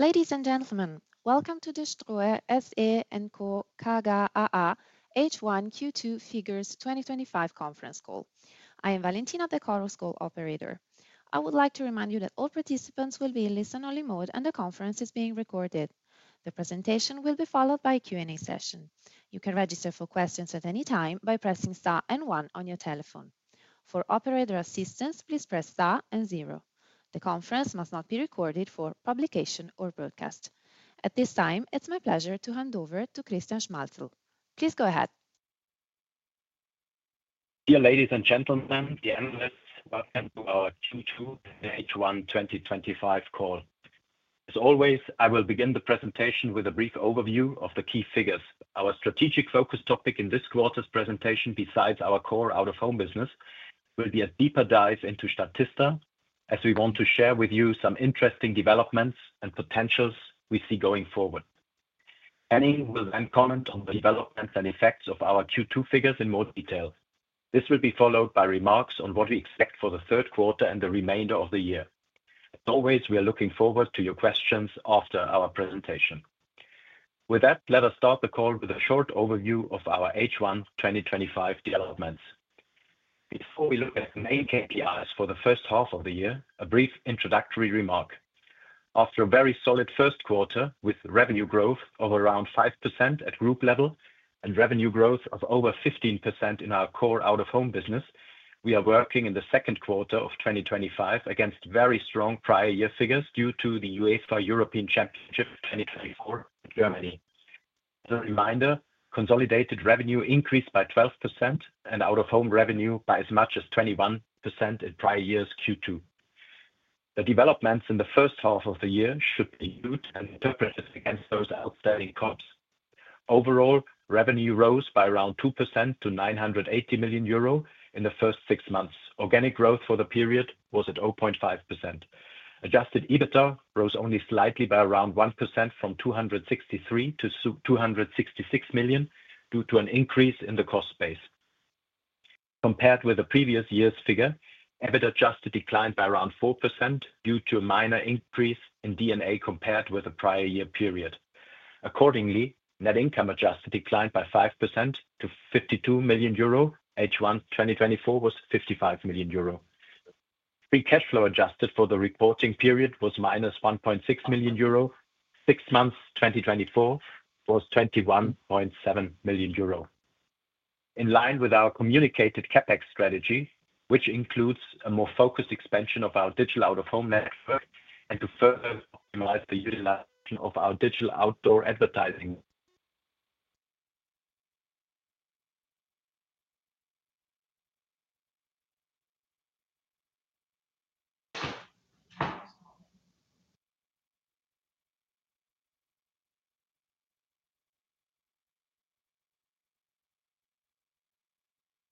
Ladies and gentlemen, welcome to this Ströer SE & Co. KGaA H1 Q2 Figures 2025 Conference Call. I am Valentina the Chorus Call operator. I would like to remind you that all participants will be in listen-only mode and the conference is being recorded. The presentation will be followed by a Q&A session. You can register for questions at any time by pressing star and one on your telephone. For operator assistance, please press star and zero. The conference must not be recorded for publication or broadcast. At this time, it's my pleasure to hand over to Christian Schmalzl. Please go ahead. Dear ladies and gentlemen, dear annuals, welcome to our Q2 H1 2025 call. As always, I will begin the presentation with a brief overview of the key figures. Our strategic focus topic in this quarter's presentation, besides our core out-of-home business, will be a deeper dive into Statista, as we want to share with you some interesting developments and potentials we see going forward. Henning will then comment on the developments and effects of our Q2 figures in more detail. This will be followed by remarks on what we expect for the third quarter and the remainder of the year. As always, we are looking forward to your questions after our presentation. With that, let us start the call with a short overview of our H1 2025 developments. Before we look at the main KPIs for the first half of the year, a brief introductory remark. After a very solid first quarter with revenue growth of around 5% at group level and revenue growth of over 15% in our core out-of-home business, we are working in the second quarter of 2025 against very strong prior year figures due to the UEFA European Championship 2024 Germany. As a reminder, consolidated revenue increased by 12% and out-of-home revenue by as much as 21% in prior year's Q2. The developments in the first half of the year should be interpreted against those outstanding quotes. Overall, revenue rose by around 2% to 980 million euro in the first six months. Organic growth for the period was at 0.5%. Adjusted EBITDA rose only slightly by around 1% from 263 million to 266 million due to an increase in the cost base. Compared with the previous year's figure, EBITDA adjusted declined by around 4% due to a minor increase in DNA compared with the prior year period. Accordingly, net income adjusted declined by 5% to 52 million euro. H1 2024 was 55 million euro. Free cash flow adjusted for the reporting period was -1.6 million euro. Six months 2024 was 21.7 million euro. In line with our communicated CapEx strategy, which includes a more focused expansion of our digital out-of-home network and to further optimize the utilization of our digital outdoor advertising.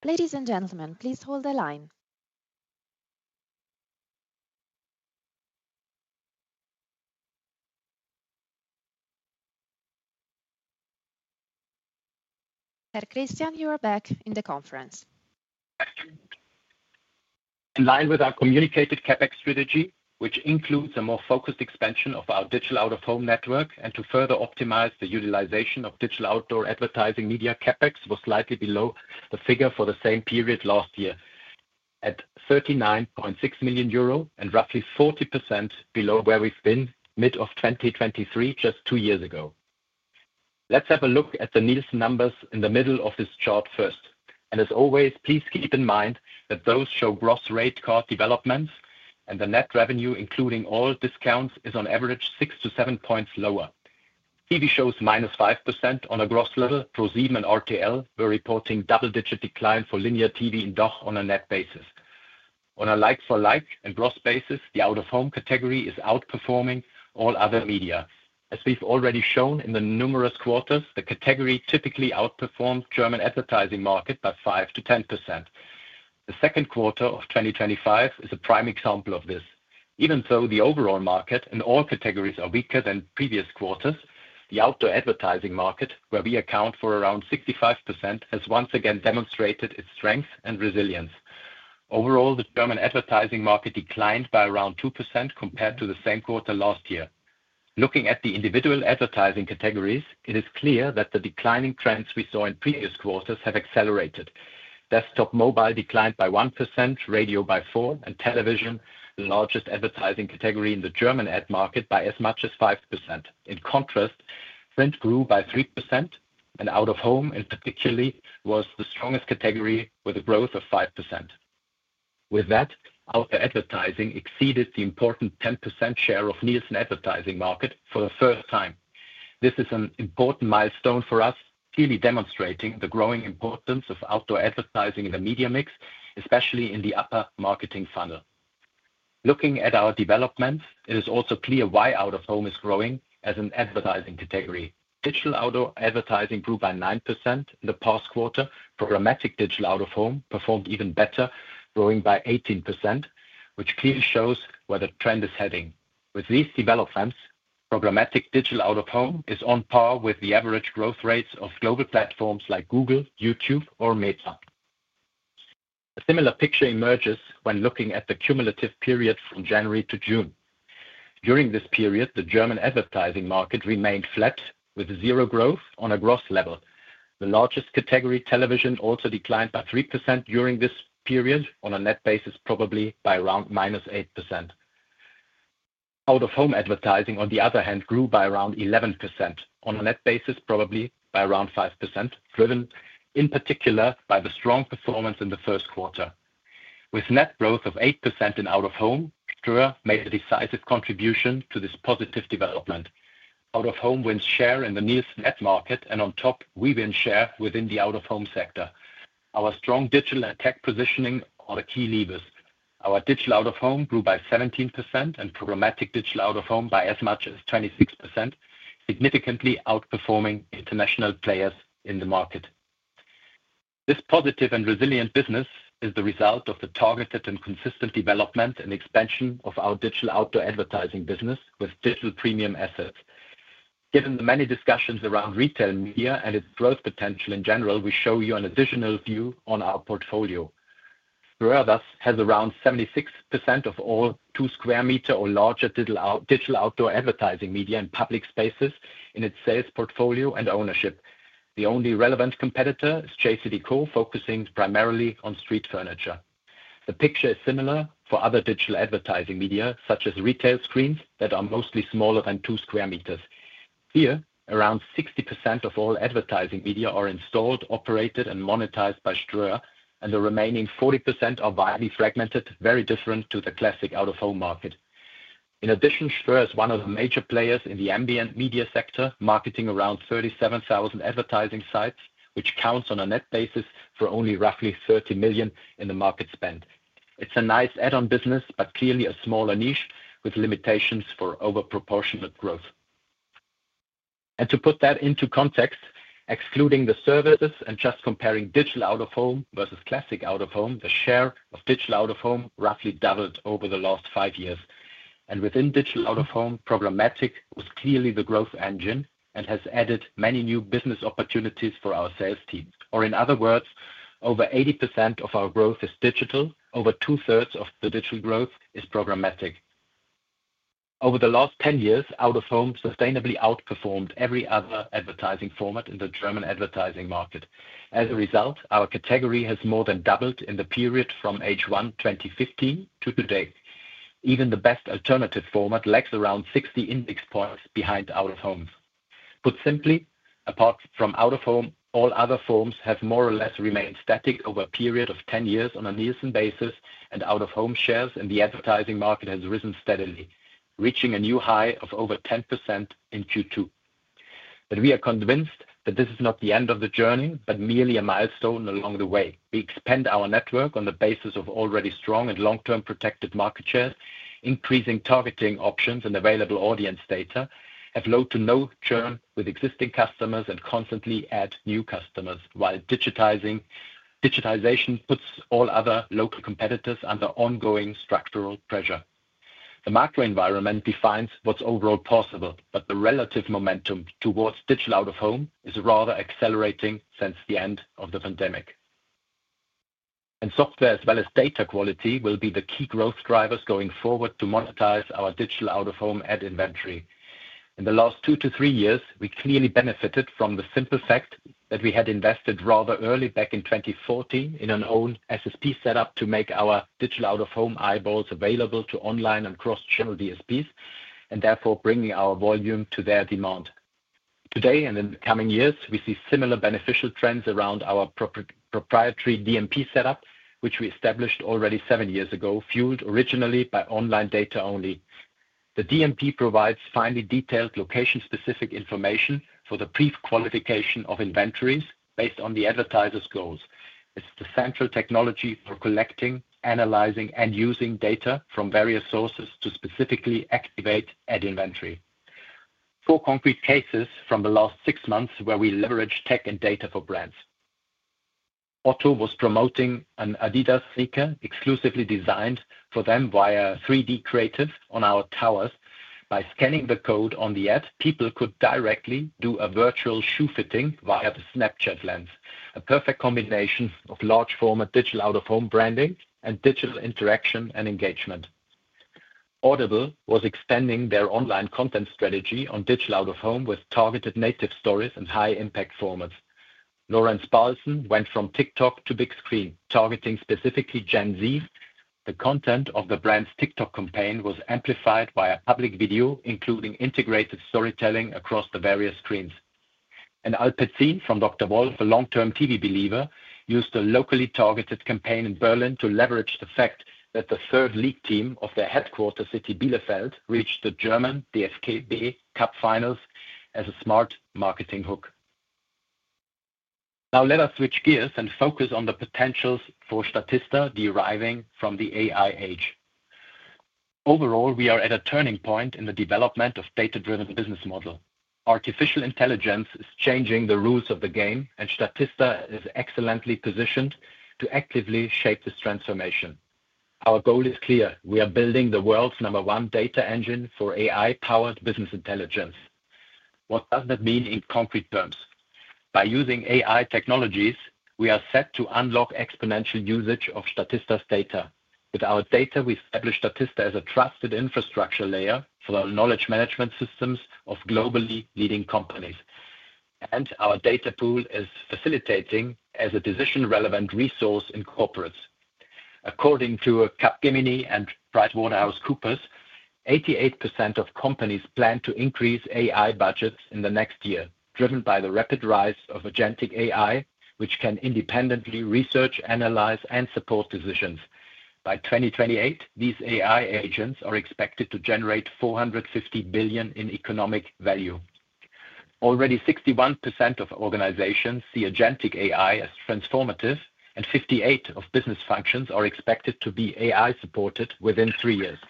Ladies and gentlemen, please hold the line. Sir Christian, you are back in the conference. In line with our communicated CapEx strategy, which includes a more focused expansion of our digital out-of-home network and to further optimize the utilization of digital outdoor advertising media, CapEx was slightly below the figure for the same period last year at 39.6 million euro and roughly 40% below where we've been mid of 2023, just two years ago. Let's have a look at the Nielsen numbers in the middle of this chart first. As always, please keep in mind that those show gross rate card developments and the net revenue, including all discounts, is on average six to seven points lower. TV shows minus 5% on a gross level. ProSieben and RTL were reporting double-digit decline for linear TV and dock on a net basis. On a like-for-like and gross basis, the out-of-home category is outperforming all other media. As we've already shown in the numerous quarters, the category typically outperformed the German advertising market by 5%-10%. The second quarter of 2025 is a prime example of this. Even though the overall market in all categories is weaker than previous quarters, the outdoor advertising market, where we account for around 65%, has once again demonstrated its strength and resilience. Overall, the German advertising market declined by around 2% compared to the same quarter last year. Looking at the individual advertising categories, it is clear that the declining trends we saw in previous quarters have accelerated. Desktop mobile declined by 1%, radio by 4%, and television, the largest advertising category in the German ad market, by as much as 5%. In contrast, print grew by 3% and out-of-home in particular was the strongest category with a growth of 5%. With that, outdoor advertising exceeded the important 10% share of Nielsen advertising market for the first time. This is an important milestone for us, clearly demonstrating the growing importance of outdoor advertising in the media mix, especially in the upper marketing funnel. Looking at our developments, it is also clear why out-of-home is growing as an advertising category. Digital outdoor advertising grew by 9% in the past quarter. Programmatic digital out-of-home performed even better, growing by 18%, which clearly shows where the trend is heading. With these developments, programmatic digital out-of-home is on par with the average growth rates of global platforms like Google, YouTube, or Meta. A similar picture emerges when looking at the cumulative period from January to June. During this period, the German advertising market remained flat with zero growth on a gross level. The largest category, television, also declined by 3% during this period, on a net basis probably by around -8%. Out-of-home advertising, on the other hand, grew by around 11%, on a net basis probably by around 5%, driven in particular by the strong performance in the first quarter. With net growth of 8% in out-of-home, Ströer made a decisive contribution to this positive development. Out-of-home wins share in the Nielsen ad market and on top, we win share within the out-of-home sector. Our strong digital and tech positioning are the key levers. Our digital out-of-home grew by 17% and programmatic digital out-of-home by as much as 26%, significantly outperforming international players in the market. This positive and resilient business is the result of the targeted and consistent development and expansion of our digital outdoor advertising business with digital premium assets. Given the many discussions around retail media and its growth potential in general, we show you an additional view on our portfolio. Ströer thus has around 76% of all two square meter or larger digital outdoor advertising media and public spaces in its sales portfolio and ownership. The only relevant competitor is JCDecaux, focusing primarily on street furniture. The picture is similar for other digital advertising media, such as retail screens that are mostly smaller than two square meters. Here, around 60% of all advertising media are installed, operated, and monetized by Ströer, and the remaining 40% are widely fragmented, very different to the classic out-of-home market. In addition, Ströer is one of the major players in the ambient media sector, marketing around 37,000 advertising sites, which counts on a net basis for only roughly 30 million in the market spend. It's a nice add-on business, but clearly a smaller niche with limitations for overproportionate growth. To put that into context, excluding the services and just comparing digital out-of-home versus classic out-of-home, the share of digital out-of-home roughly doubled over the last five years. Within digital out-of-home, programmatic was clearly the growth engine and has added many new business opportunities for our sales team. In other words, over 80% of our growth is digital, over two-thirds of the digital growth is programmatic. Over the last 10 years, out-of-home sustainably outperformed every other advertising format in the German advertising market. As a result, our category has more than doubled in the period from H1 2015 to today. Even the best alternative format lags around 60 index points behind out-of-home. Put simply, apart from out-of-home, all other forms have more or less remained static over a period of 10 years on a Nielsen basis, and out-of-home shares in the advertising market have risen steadily, reaching a new high of over 10% in Q2. We are convinced that this is not the end of the journey, but merely a milestone along the way. We expand our network on the basis of already strong and long-term protected market share, increasing targeting options and available audience data, have low to no churn with existing customers and constantly add new customers while digitization puts all other local competitors under ongoing structural pressure. The macro environment defines what's overall possible, yet the relative momentum towards digital out-of-home is rather accelerating since the end of the pandemic. Software as well as data quality will be the key growth drivers going forward to monetize our digital out-of-home ad inventory. In the last two to three years, we clearly benefited from the simple fact that we had invested rather early back in 2014 in an own SSP setup to make our digital out-of-home eyeballs available to online and cross-channel DSPs, and therefore bringing our volume to their demand. Today and in the coming years, we see similar beneficial trends around our proprietary DMP setup, which we established already seven years ago, fueled originally by online data only. The DMP provides finely detailed location-specific information for the pre-qualification of inventories based on the advertiser's clause. It's the central technology for collecting, analyzing, and using data from various sources to specifically activate ad inventory. Four concrete cases from the last six months where we leveraged tech and data for brands. Otto was promoting an Adidas sneaker exclusively designed for them via 3D creatives on our towers. By scanning the code on the ad, people could directly do a virtual shoe fitting via the Snapchat lens. A perfect combination of large-format digital out-of-home branding and digital interaction and engagement. Audible was expanding their online content strategy on digital out-of-home with targeted native stories and high-impact formats. Laurence Paulsen went from TikTok to Big Screen, targeting specifically Gen Z. The content of the brand's TikTok campaign was amplified via public video, including integrated storytelling across the various screens. Alpecin, from Dr. Wolff, a long-term TV believer, used a locally targeted campaign in Berlin to leverage the fact that the third league team of their headquarter city, Bielefeld, reached the German DFB Cup finals as a smart marketing hook. Now let us switch gears and focus on the potentials for Statista deriving from the AI age. Overall, we are at a turning point in the development of a data-driven business model. Artificial intelligence is changing the rules of the game, and Statista is excellently positioned to actively shape this transformation. Our goal is clear. We are building the world's number one data engine for AI-powered business intelligence. What does that mean in concrete terms? By using AI technologies, we are set to unlock exponential usage of Statista's data. With our data, we establish Statista as a trusted infrastructure layer for our knowledge management systems of globally leading companies. Our data pool is facilitating as a decision-relevant resource in corporates. According to Capgemini and PricewaterhouseCoopers, 88% of companies plan to increase AI budgets in the next year, driven by the rapid rise of agentic AI, which can independently research, analyze, and support decisions. By 2028, these AI agents are expected to generate 450 billion in economic value. Already 61% of organizations see agentic AI as transformative, and 58% of business functions are expected to be AI-supported within three years.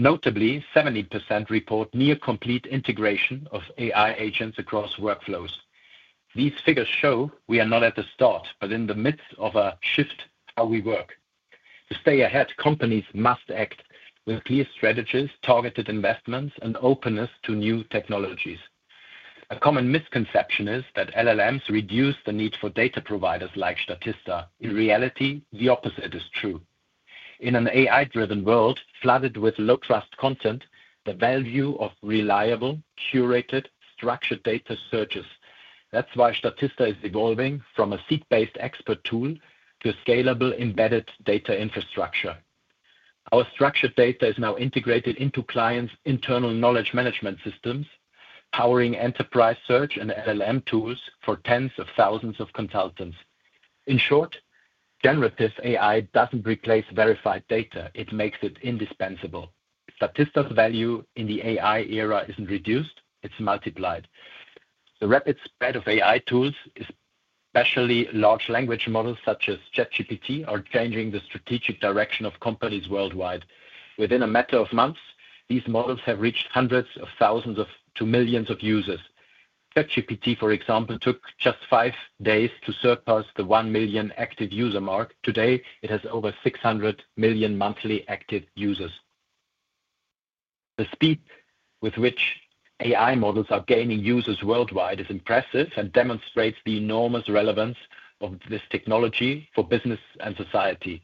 Notably, 70% report near-complete integration of AI agents across workflows. These figures show we are not at the start, but in the midst of a shift how we work. To stay ahead, companies must act with clear strategies, targeted investments, and openness to new technologies. A common misconception is that LLMs reduce the need for data providers like Statista. In reality, the opposite is true. In an AI-driven world flooded with low-trust content, the value of reliable, curated, structured data surges. That is why Statista is evolving from a seat-based expert tool to a scalable embedded data infrastructure. Our structured data is now integrated into clients' internal knowledge management systems, powering enterprise search and LLM tools for tens of thousands of consultants. In short, generative AI doesn't replace verified data. It makes it indispensable. Statista's value in the AI era isn't reduced, it's multiplied. The rapid spread of AI tools, especially large language models such as ChatGPT, is changing the strategic direction of companies worldwide. Within a matter of months, these models have reached hundreds of thousands to millions of users. ChatGPT, for example, took just five days to surpass the 1 million active user mark. Today, it has over 600 million monthly active users. The speed with which AI models are gaining users worldwide is impressive and demonstrates the enormous relevance of this technology for business and society.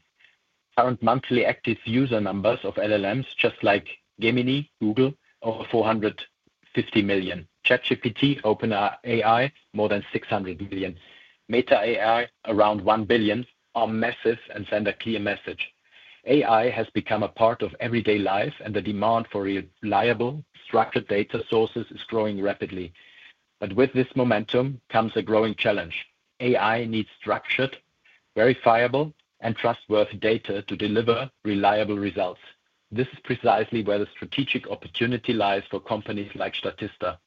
Current monthly active user numbers of LLMs, just like Gemini, Google, are over 450 million. ChatGPT, OpenAI, more than 600 million. Meta AI, around 1 billion, are massive and send a clear message. AI has become a part of everyday life, and the demand for reliable, structured data sources is growing rapidly. With this momentum comes a growing challenge. AI needs structured, verifiable, and trustworthy data to deliver reliable results. This is precisely where the strategic opportunity lies for companies like Statista.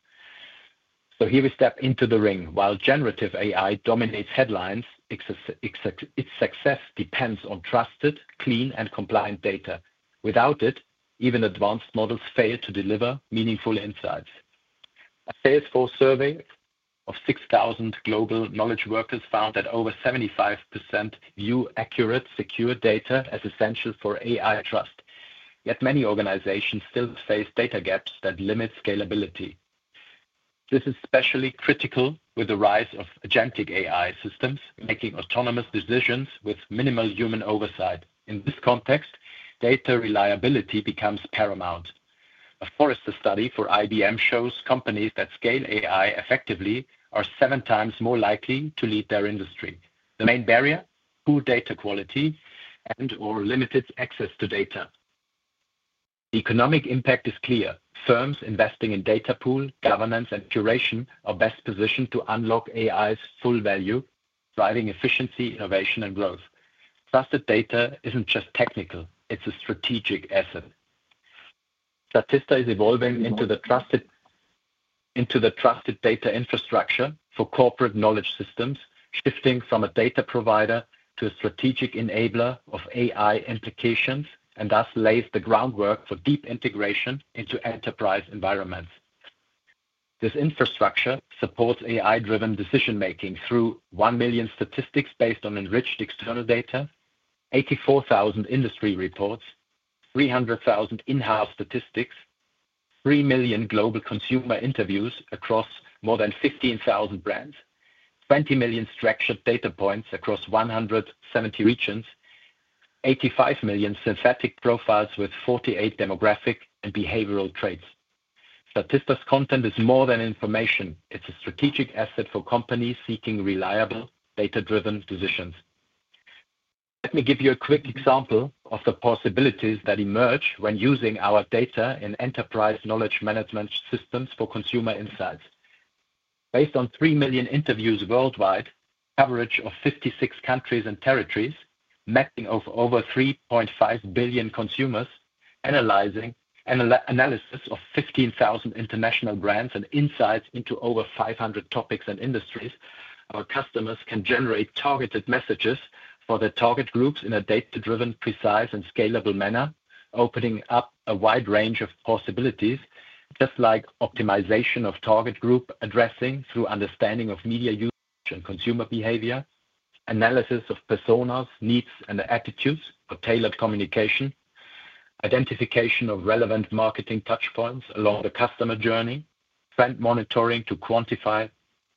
Here we step into the ring. While generative AI dominates headlines, its success depends on trusted, clean, and compliant data. Without it, even advanced models fail to deliver meaningful insights. A Salesforce survey of 6,000 global knowledge workers found that over 75% view accurate, secure data as essential for AI trust. Yet many organizations still face data gaps that limit scalability. This is especially critical with the rise of agentic AI systems, making autonomous decisions with minimal human oversight. In this context, data reliability becomes paramount. A Forrester study for IBM shows companies that scale AI effectively are seven times more likely to lead their industry. The main barrier? Poor data quality and/or limited access to data. The economic impact is clear. Firms investing in data pool, governance, and curation are best positioned to unlock AI's full value, driving efficiency, innovation, and growth. Trusted data isn't just technical, it's a strategic asset. Statista is evolving into the trusted data infrastructure for corporate knowledge systems, shifting from a data provider to a strategic enabler of AI implications, and thus lays the groundwork for deep integration into enterprise environments. This infrastructure supports AI-driven decision-making through 1 million statistics based on enriched external data, 84,000 industry reports, 300,000 in-house statistics, 3 million global consumer interviews across more than 15,000 brands, 20 million structured data points across 170 regions, and 85 million synthetic profiles with 48 demographic and behavioral traits. Statista's content is more than information. It's a strategic asset for companies seeking reliable, data-driven decisions. Let me give you a quick example of the possibilities that emerge when using our data in enterprise knowledge management systems for consumer insights. Based on 3 million interviews worldwide, coverage of 56 countries and territories, mapping of over 3.5 billion consumers, analysis of 15,000 international brands, and insights into over 500 topics and industries, our customers can generate targeted messages for their target groups in a data-driven, precise, and scalable manner, opening up a wide range of possibilities, just like optimization of target group addressing through understanding of media use and consumer behavior, analysis of personas, needs, and attitudes for tailored communication, identification of relevant marketing touchpoints along the customer journey, trend monitoring to quantify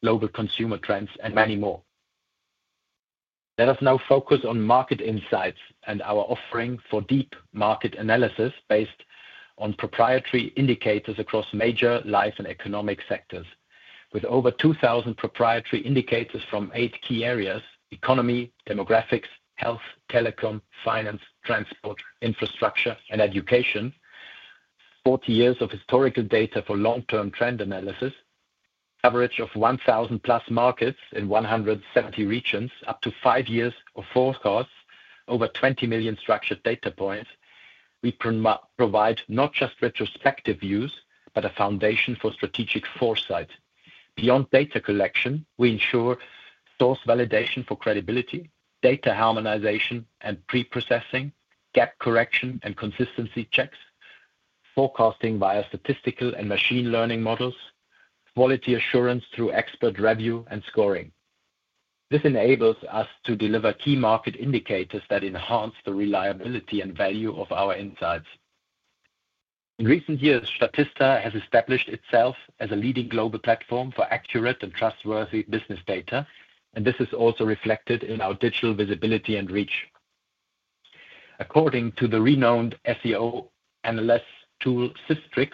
global consumer trends, and many more. Let us now focus on market insights and our offering for deep market analysis based on proprietary indicators across major life and economic sectors. With over 2,000 proprietary indicators from eight key areas: economy, demographics, health, telecom, finance, transport, infrastructure, and education, 40 years of historical data for long-term trend analysis, coverage of 1,000 plus markets in 170 regions, up to five years of forecasts, and over 20 million structured data points, we provide not just retrospective views, but a foundation for strategic foresight. Beyond data collection, we ensure source validation for credibility, data harmonization and preprocessing, gap correction, and consistency checks, forecasting via statistical and machine learning models, and quality assurance through expert review and scoring. This enables us to deliver key market indicators that enhance the reliability and value of our insights. In recent years, Statista has established itself as a leading global platform for accurate and trustworthy business data, and this is also reflected in our digital visibility and reach. According to the renowned SEO analyst tool SISTRIX,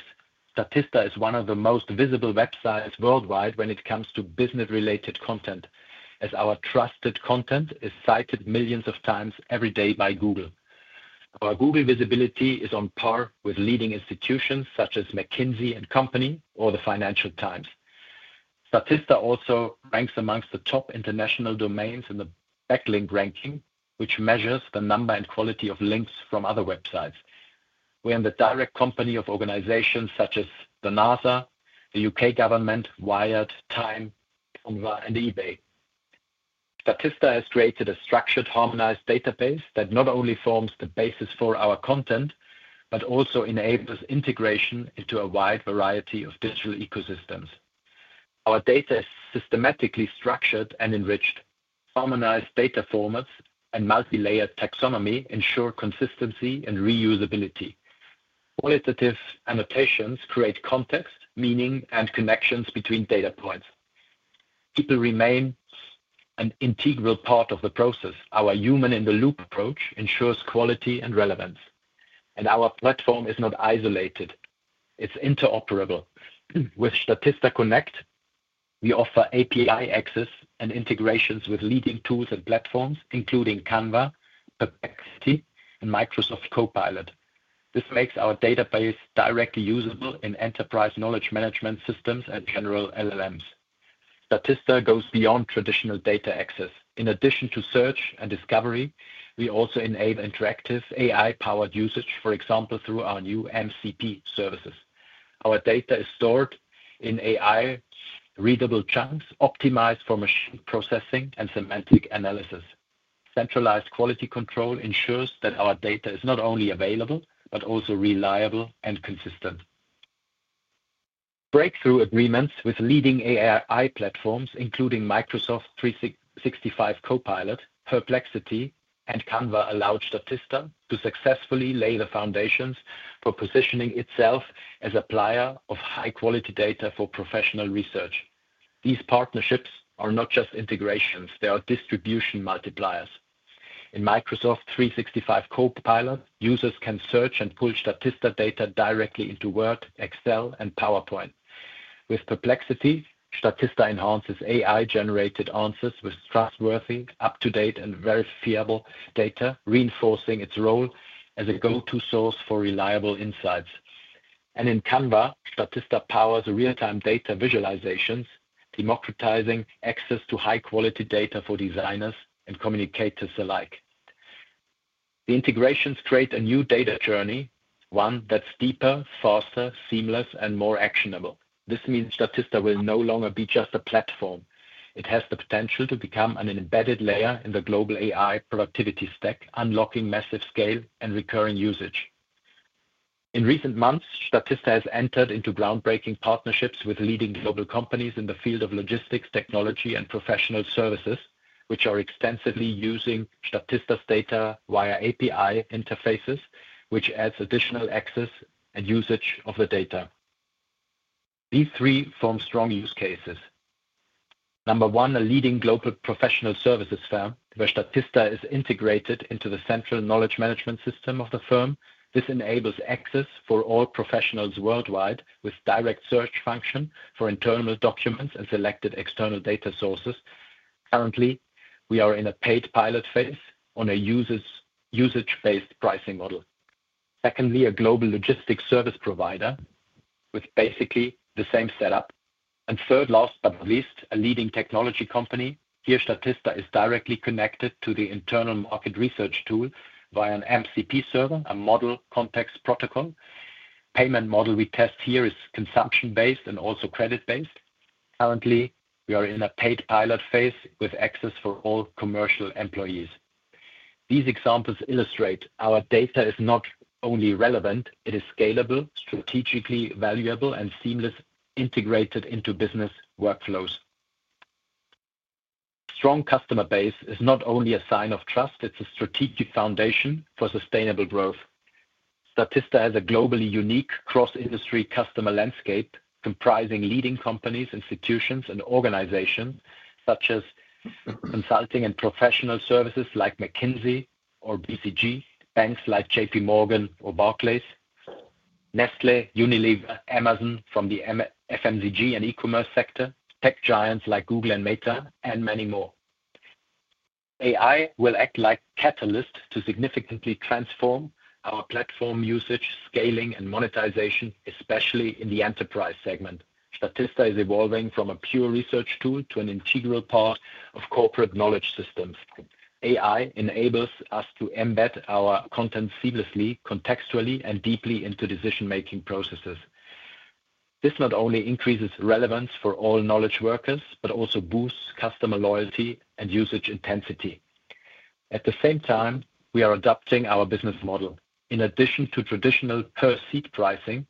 Statista is one of the most visible websites worldwide when it comes to business-related content, as our trusted content is cited millions of times every day by Google. Our Google visibility is on par with leading institutions such as McKinsey & Company or the Financial Times. Statista also ranks amongst the top international domains in the Backlink ranking, which measures the number and quality of links from other websites. We are in the direct company of organizations such as NASA, the U.KM government, Wired, Time, Conva and eBay. Statista has created a structured, harmonized database that not only forms the basis for our content, but also enables integration into a wide variety of digital ecosystems. Our data is systematically structured and enriched. Harmonized data formats and multi-layered taxonomy ensure consistency and reusability. Qualitative annotations create context, meaning, and connections between data points. People remain an integral part of the process. Our human-in-the-loop approach ensures quality and relevance. Our platform is not isolated. It's interoperable. With Statista Connect, we offer API access and integrations with leading tools and platforms, including Canva, Perplexity, and Microsoft Copilot. This makes our database directly usable in enterprise knowledge management systems and general LLMs. Statista goes beyond traditional data access. In addition to search and discovery, we also enable interactive AI-powered usage, for example, through our new MCP services. Our data is stored in AI-readable chunks, optimized for machine processing and semantic analysis. Centralized quality control ensures that our data is not only available, but also reliable and consistent. Breakthrough agreements with leading AI platforms, including Microsoft 365 Copilot, Perplexity, and Canva, allow Statista to successfully lay the foundations for positioning itself as a player of high-quality data for professional research. These partnerships are not just integrations. They are distribution multipliers. In Microsoft 365 Copilot, users can search and pull Statista data directly into Word, Excel, and PowerPoint. With Perplexity, Statista enhances AI-generated answers with trustworthy, up-to-date, and verifiable data, reinforcing its role as a go-to source for reliable insights. In Canva, Statista powers real-time data visualizations, democratizing access to high-quality data for designers and communicators alike. The integrations create a new data journey, one that's deeper, faster, seamless, and more actionable. This means Statista will no longer be just a platform. It has the potential to become an embedded layer in the global AI productivity stack, unlocking massive scale and recurring usage. In recent months, Statista has entered into groundbreaking partnerships with leading global companies in the field of logistics, technology, and professional services, which are extensively using Statista's data via API interfaces, which adds additional access and usage of the data. These three form strong use cases. Number one, a leading global professional services firm, where Statista is integrated into the central knowledge management system of the firm. This enables access for all professionals worldwide with direct search function for internal documents and selected external data sources. Currently, we are in a paid pilot phase on a usage-based pricing model. Secondly, a global logistics service provider with basically the same setup. Third, last but not least, a leading technology company. Here, Statista is directly connected to the internal market research tool via an MCP server, a model context protocol. The payment model we test here is consumption-based and also credit-based. Currently, we are in a paid pilot phase with access for all commercial employees. These examples illustrate our data is not only relevant, it is scalable, strategically valuable, and seamlessly integrated into business workflows. A strong customer base is not only a sign of trust, it is a strategic foundation for sustainable growth. Statista has a globally unique cross-industry customer landscape comprising leading companies, institutions, and organizations such as consulting and professional services like McKinsey or BCG, banks like JPMorgan or Barclays, Nestlé, Unilever, Amazon from the FMCG and e-commerce sector, tech giants like Google and Meta, and many more. AI will act like a catalyst to significantly transform our platform usage, scaling, and monetization, especially in the enterprise segment. Statista is evolving from a pure research tool to an integral part of corporate knowledge systems. AI enables us to embed our content seamlessly, contextually, and deeply into decision-making processes. This not only increases relevance for all knowledge workers, but also boosts customer loyalty and usage intensity. At the same time, we are adapting our business model. In addition to traditional per-seat pricing,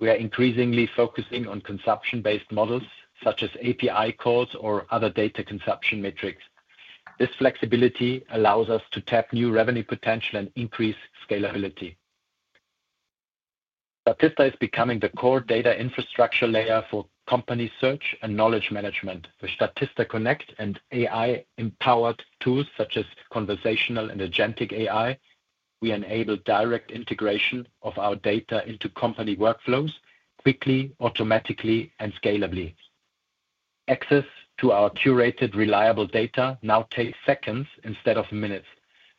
we are increasingly focusing on consumption-based models such as API calls or other data consumption metrics. This flexibility allows us to tap new revenue potential and increase scalability. Statista is becoming the core data infrastructure layer for company search and knowledge management. With Statista Connect and AI-empowered tools such as conversational and agentic AI, we enable direct integration of our data into company workflows quickly, automatically, and scalably. Access to our curated, reliable data now takes seconds instead of minutes.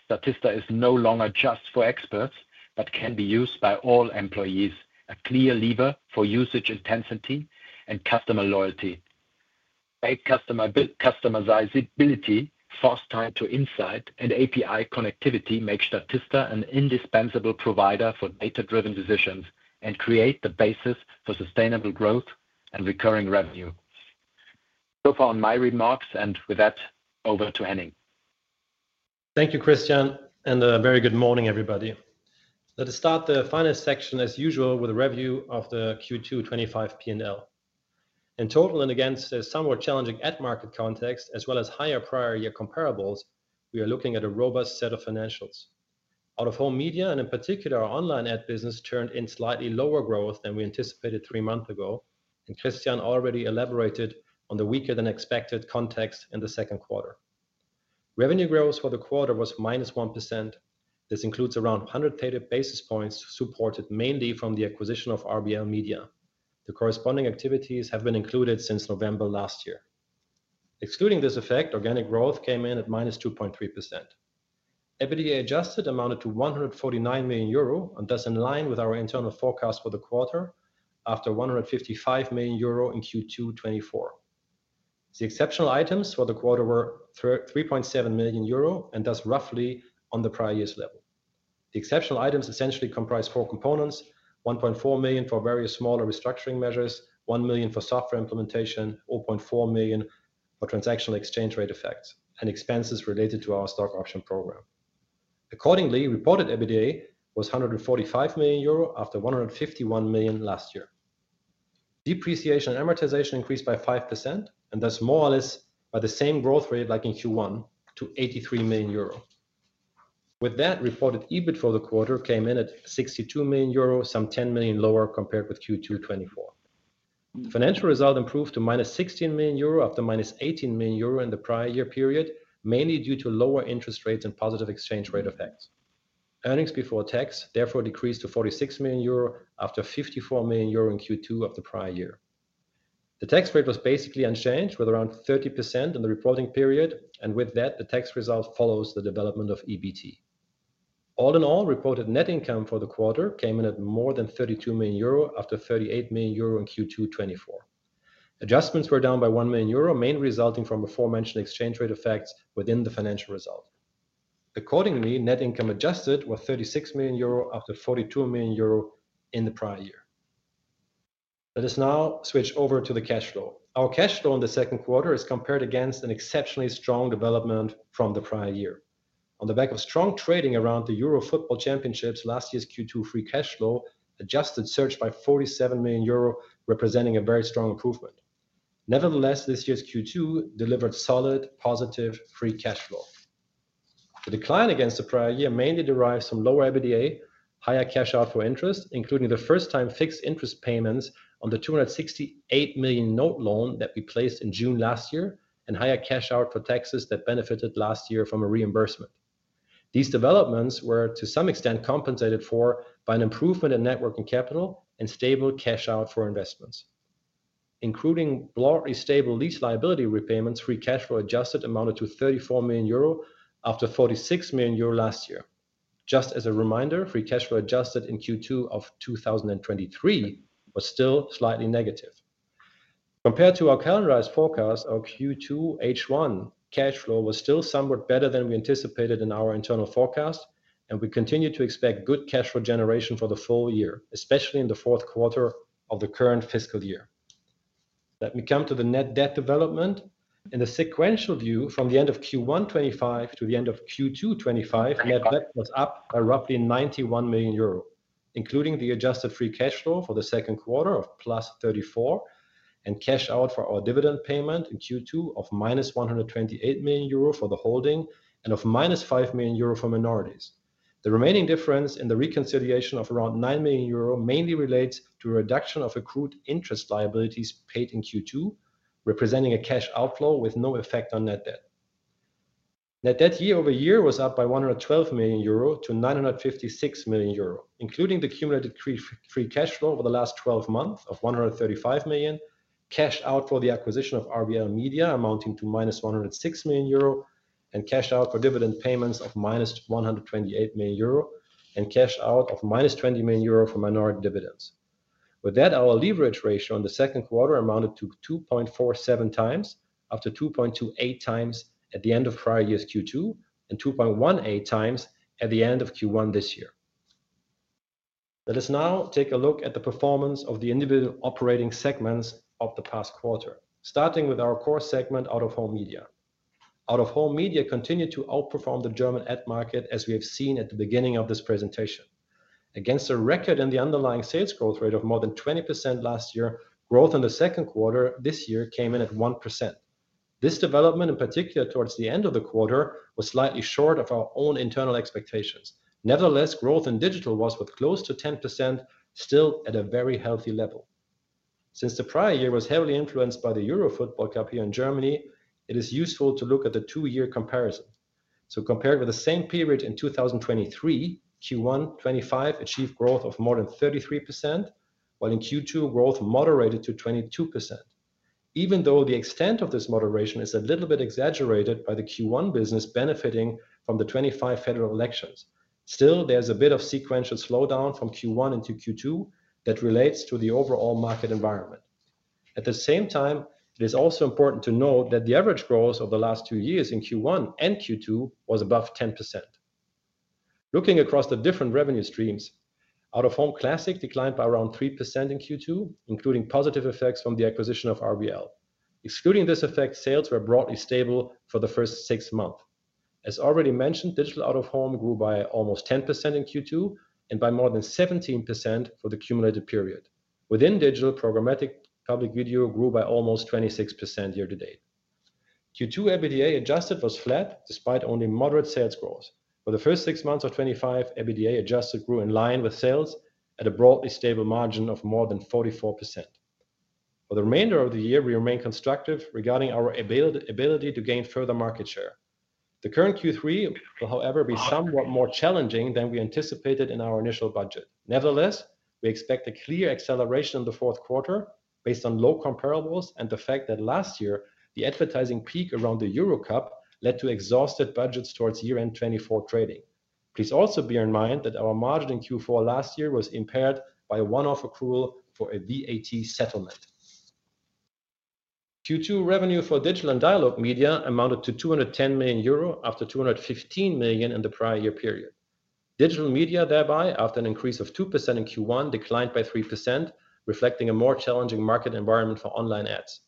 Statista is no longer just for experts, but can be used by all employees. A clear lever for usage intensity and customer loyalty. Paid customizability, fast time to insight, and API connectivity make Statista an indispensable provider for data-driven decisions and create the basis for sustainable growth and recurring revenue. Those are my remarks, and with that, over to Henning. Thank you, Christian, and a very good morning, everybody. Let us start the finance section, as usual, with a review of the Q2 2025 P&L. In total, and against a somewhat challenging ad market context, as well as higher prior year comparables, we are looking at a robust set of financials. Out-of-home media and in particular online ad business turned in slightly lower growth than we anticipated three months ago, and Christian already elaborated on the weaker than expected context in the second quarter. Revenue growth for the quarter was -1%. This includes around 100 basis points supported mainly from the acquisition of RBL Media. The corresponding activities have been included since November last year. Excluding this effect, organic growth came in at -2.3%. EBITDA adjusted amounted to 149 million euro and is in line with our internal forecast for the quarter after 155 million euro in Q2 2024. The exceptional items for the quarter were 3.7 million euro and thus roughly on the prior year's level. The exceptional items essentially comprise four components: 1.4 million for various smaller restructuring measures, 1 million for software implementation, 4.4 million for transactional exchange rate effects, and expenses related to our stock option program. Accordingly, reported EBITDA was 145 million euro after 151 million last year. Depreciation and amortization increased by 5% and thus more or less by the same growth rate like in Q1 to 83 million euro. With that, reported EBIT for the quarter came in at 62 million euro, some 10 million lower compared with Q2 2024. The financial result improved to -16 million euro after -18 million euro in the prior year period, mainly due to lower interest rates and positive exchange rate effects. Earnings before tax therefore decreased to -46 million after 54 million euro in Q2 of the prior year. The tax rate was basically unchanged with around 30% in the reporting period, and with that, the tax result follows the development of EBT. All in all, reported net income for the quarter came in at more than 32 million euro after 38 million euro in Q2 2024. Adjustments were down by 1 million euro, mainly resulting from aforementioned exchange rate effects within the financial result. Accordingly, net income adjusted was 36 million euro after 42 million euro in the prior year. Let us now switch over to the cash flow. Our cash flow in the second quarter is compared against an exceptionally strong development from the prior year. On the back of strong trading around the UEFA European Championship, last year's Q2 free cash flow adjusted surged by 47 million euro, representing a very strong improvement. Nevertheless, this year's Q2 delivered solid positive free cash flow. The decline against the prior year mainly derives from lower EBITDA, higher cash out for interest, including the first-time fixed interest payments on the 268 million note loan that we placed in June last year, and higher cash out for taxes that benefited last year from a reimbursement. These developments were to some extent compensated for by an improvement in net working capital and stable cash out for investments. Including broadly stable lease liability repayments, free cash flow adjusted amounted to 34 million euro after 46 million euro last year. Just as a reminder, free cash flow adjusted in Q2 of 2023 was still slightly negative. Compared to our calendarized forecast, our Q2 H1 cash flow was still somewhat better than we anticipated in our internal forecast, and we continue to expect good cash flow generation for the full year, especially in the fourth quarter of the current fiscal year. Let me come to the net debt development. In the sequential view from the end of Q1 2025 to the end of Q2 2025, net debt was up by roughly 91 million euro, including the adjusted free cash flow for the second quarter of +34 million and cash out for our dividend payment in Q2 of -128 million euro for the holding and of -5 million euro for minorities. The remaining difference in the reconciliation of around 9 million euro mainly relates to a reduction of accrued interest liabilities paid in Q2, representing a cash outflow with no effect on net debt. Net debt year over year was up by 112 million euro to 956 million euro, including the cumulative free cash flow over the last 12 months of 135 million, cash out for the acquisition of RBL Media amounting to -106 million euro, and cash out for dividend payments of -128 million euro, and cash out of -20 million euro for minority dividends. With that, our leverage ratio in the second quarter amounted to 2.47x after 2.28x at the end of prior year's Q2 and 2.18x at the end of Q1 this year. Let us now take a look at the performance of the individual operating segments of the past quarter, starting with our core segment out-of-home media. Out-of-home media continued to outperform the German ad market, as we have seen at the beginning of this presentation. Against a record and the underlying sales growth rate of more than 20% last year, growth in the second quarter this year came in at 1%. This development, in particular towards the end of the quarter, was slightly short of our own internal expectations. Nevertheless, growth in digital was with close to 10% still at a very healthy level. Since the prior year was heavily influenced by the Euro Football Cup here in Germany, it is useful to look at the two-year comparison. Compared with the same period in 2023, Q1 2025 achieved growth of more than 33%, while in Q2 growth moderated to 22%. Even though the extent of this moderation is a little bit exaggerated by the Q1 business benefiting from the 2025 federal elections, still there's a bit of sequential slowdown from Q1 into Q2 that relates to the overall market environment. At the same time, it is also important to note that the average growth over the last two years in Q1 and Q2 was above 10%. Looking across the different revenue streams, out-of-home classic declined by around 3% in Q2, including positive effects from the acquisition of RBL Media. Excluding this effect, sales were broadly stable for the first six months. As already mentioned, digital out-of-home grew by almost 10% in Q2 and by more than 17% for the cumulative period. Within digital, programmatic digital out-of-home grew by almost 26% year to date. Q2 EBITDA adjusted was flat despite only moderate sales growth. For the first six months of 2025, EBITDA adjusted grew in line with sales at a broadly stable margin of more than 44%. For the remainder of the year, we remain constructive regarding our ability to gain further market share. The current Q3 will, however, be somewhat more challenging than we anticipated in our initial budget. Nevertheless, we expect a clear acceleration in the fourth quarter based on low comparables and the fact that last year the advertising peak around the UEFA European Championship led to exhausted budgets towards year-end 2024 trading. Please also bear in mind that our margin in Q4 last year was impaired by a one-off accrual for a VAT settlement. Q2 revenue for digital and dialogue media amounted to 210 million euro after 215 million in the prior year period. Digital media thereby, after an increase of 2% in Q1, declined by 3%, reflecting a more challenging market environment for online ads.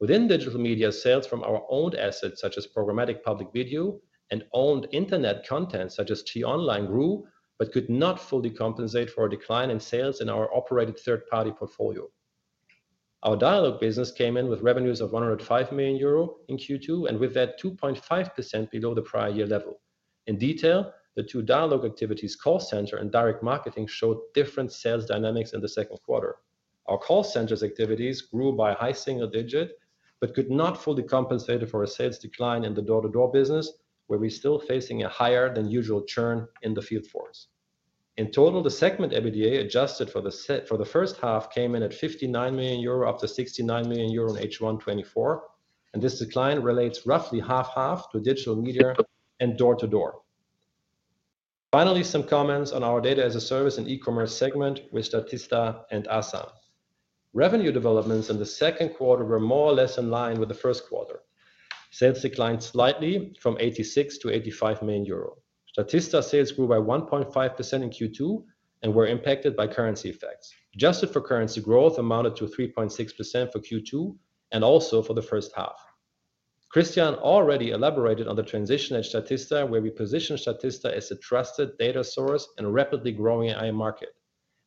Within digital media, sales from our owned assets such as programmatic digital out-of-home and owned internet content such as T-Online grew but could not fully compensate for a decline in sales in our operated third-party portfolio. Our dialogue business came in with revenues of 105 million euro in Q2 and with that 2.5% below the prior year level. In detail, the two dialogue activities, call center and direct marketing, showed different sales dynamics in the second quarter. Our call center's activities grew by high single digit but could not fully compensate for a sales decline in the door-to-door business, where we're still facing a higher than usual churn in the field force. In total, the segment EBITDA adjusted for the first half came in at 59 million euro after 69 million euro in H1 2024, and this decline relates roughly half-half to digital media and door-to-door. Finally, some comments on our data-as-a-service and e-commerce segment with Statista and Asam. Revenue developments in the second quarter were more or less in line with the first quarter. Sales declined slightly from 86 million euro to EUR EU85 million. Statista sales grew by 1.5% in Q2 and were impacted by currency effects. Adjusted for currency, growth amounted to 3.6% for Q2 and also for the first half. Christian already elaborated on the transition at Statista, where we positioned Statista as a trusted data source in a rapidly growing AI market.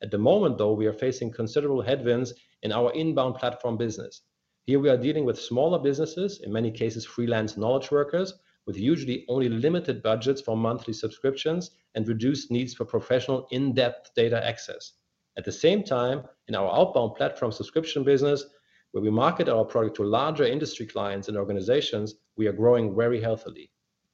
At the moment, though, we are facing considerable headwinds in our inbound platform business. Here we are dealing with smaller businesses, in many cases freelance knowledge workers, with usually only limited budgets for monthly subscriptions and reduced needs for professional in-depth data access. At the same time, in our outbound platform subscription business, where we market our product to larger industry clients and organizations, we are growing very healthily.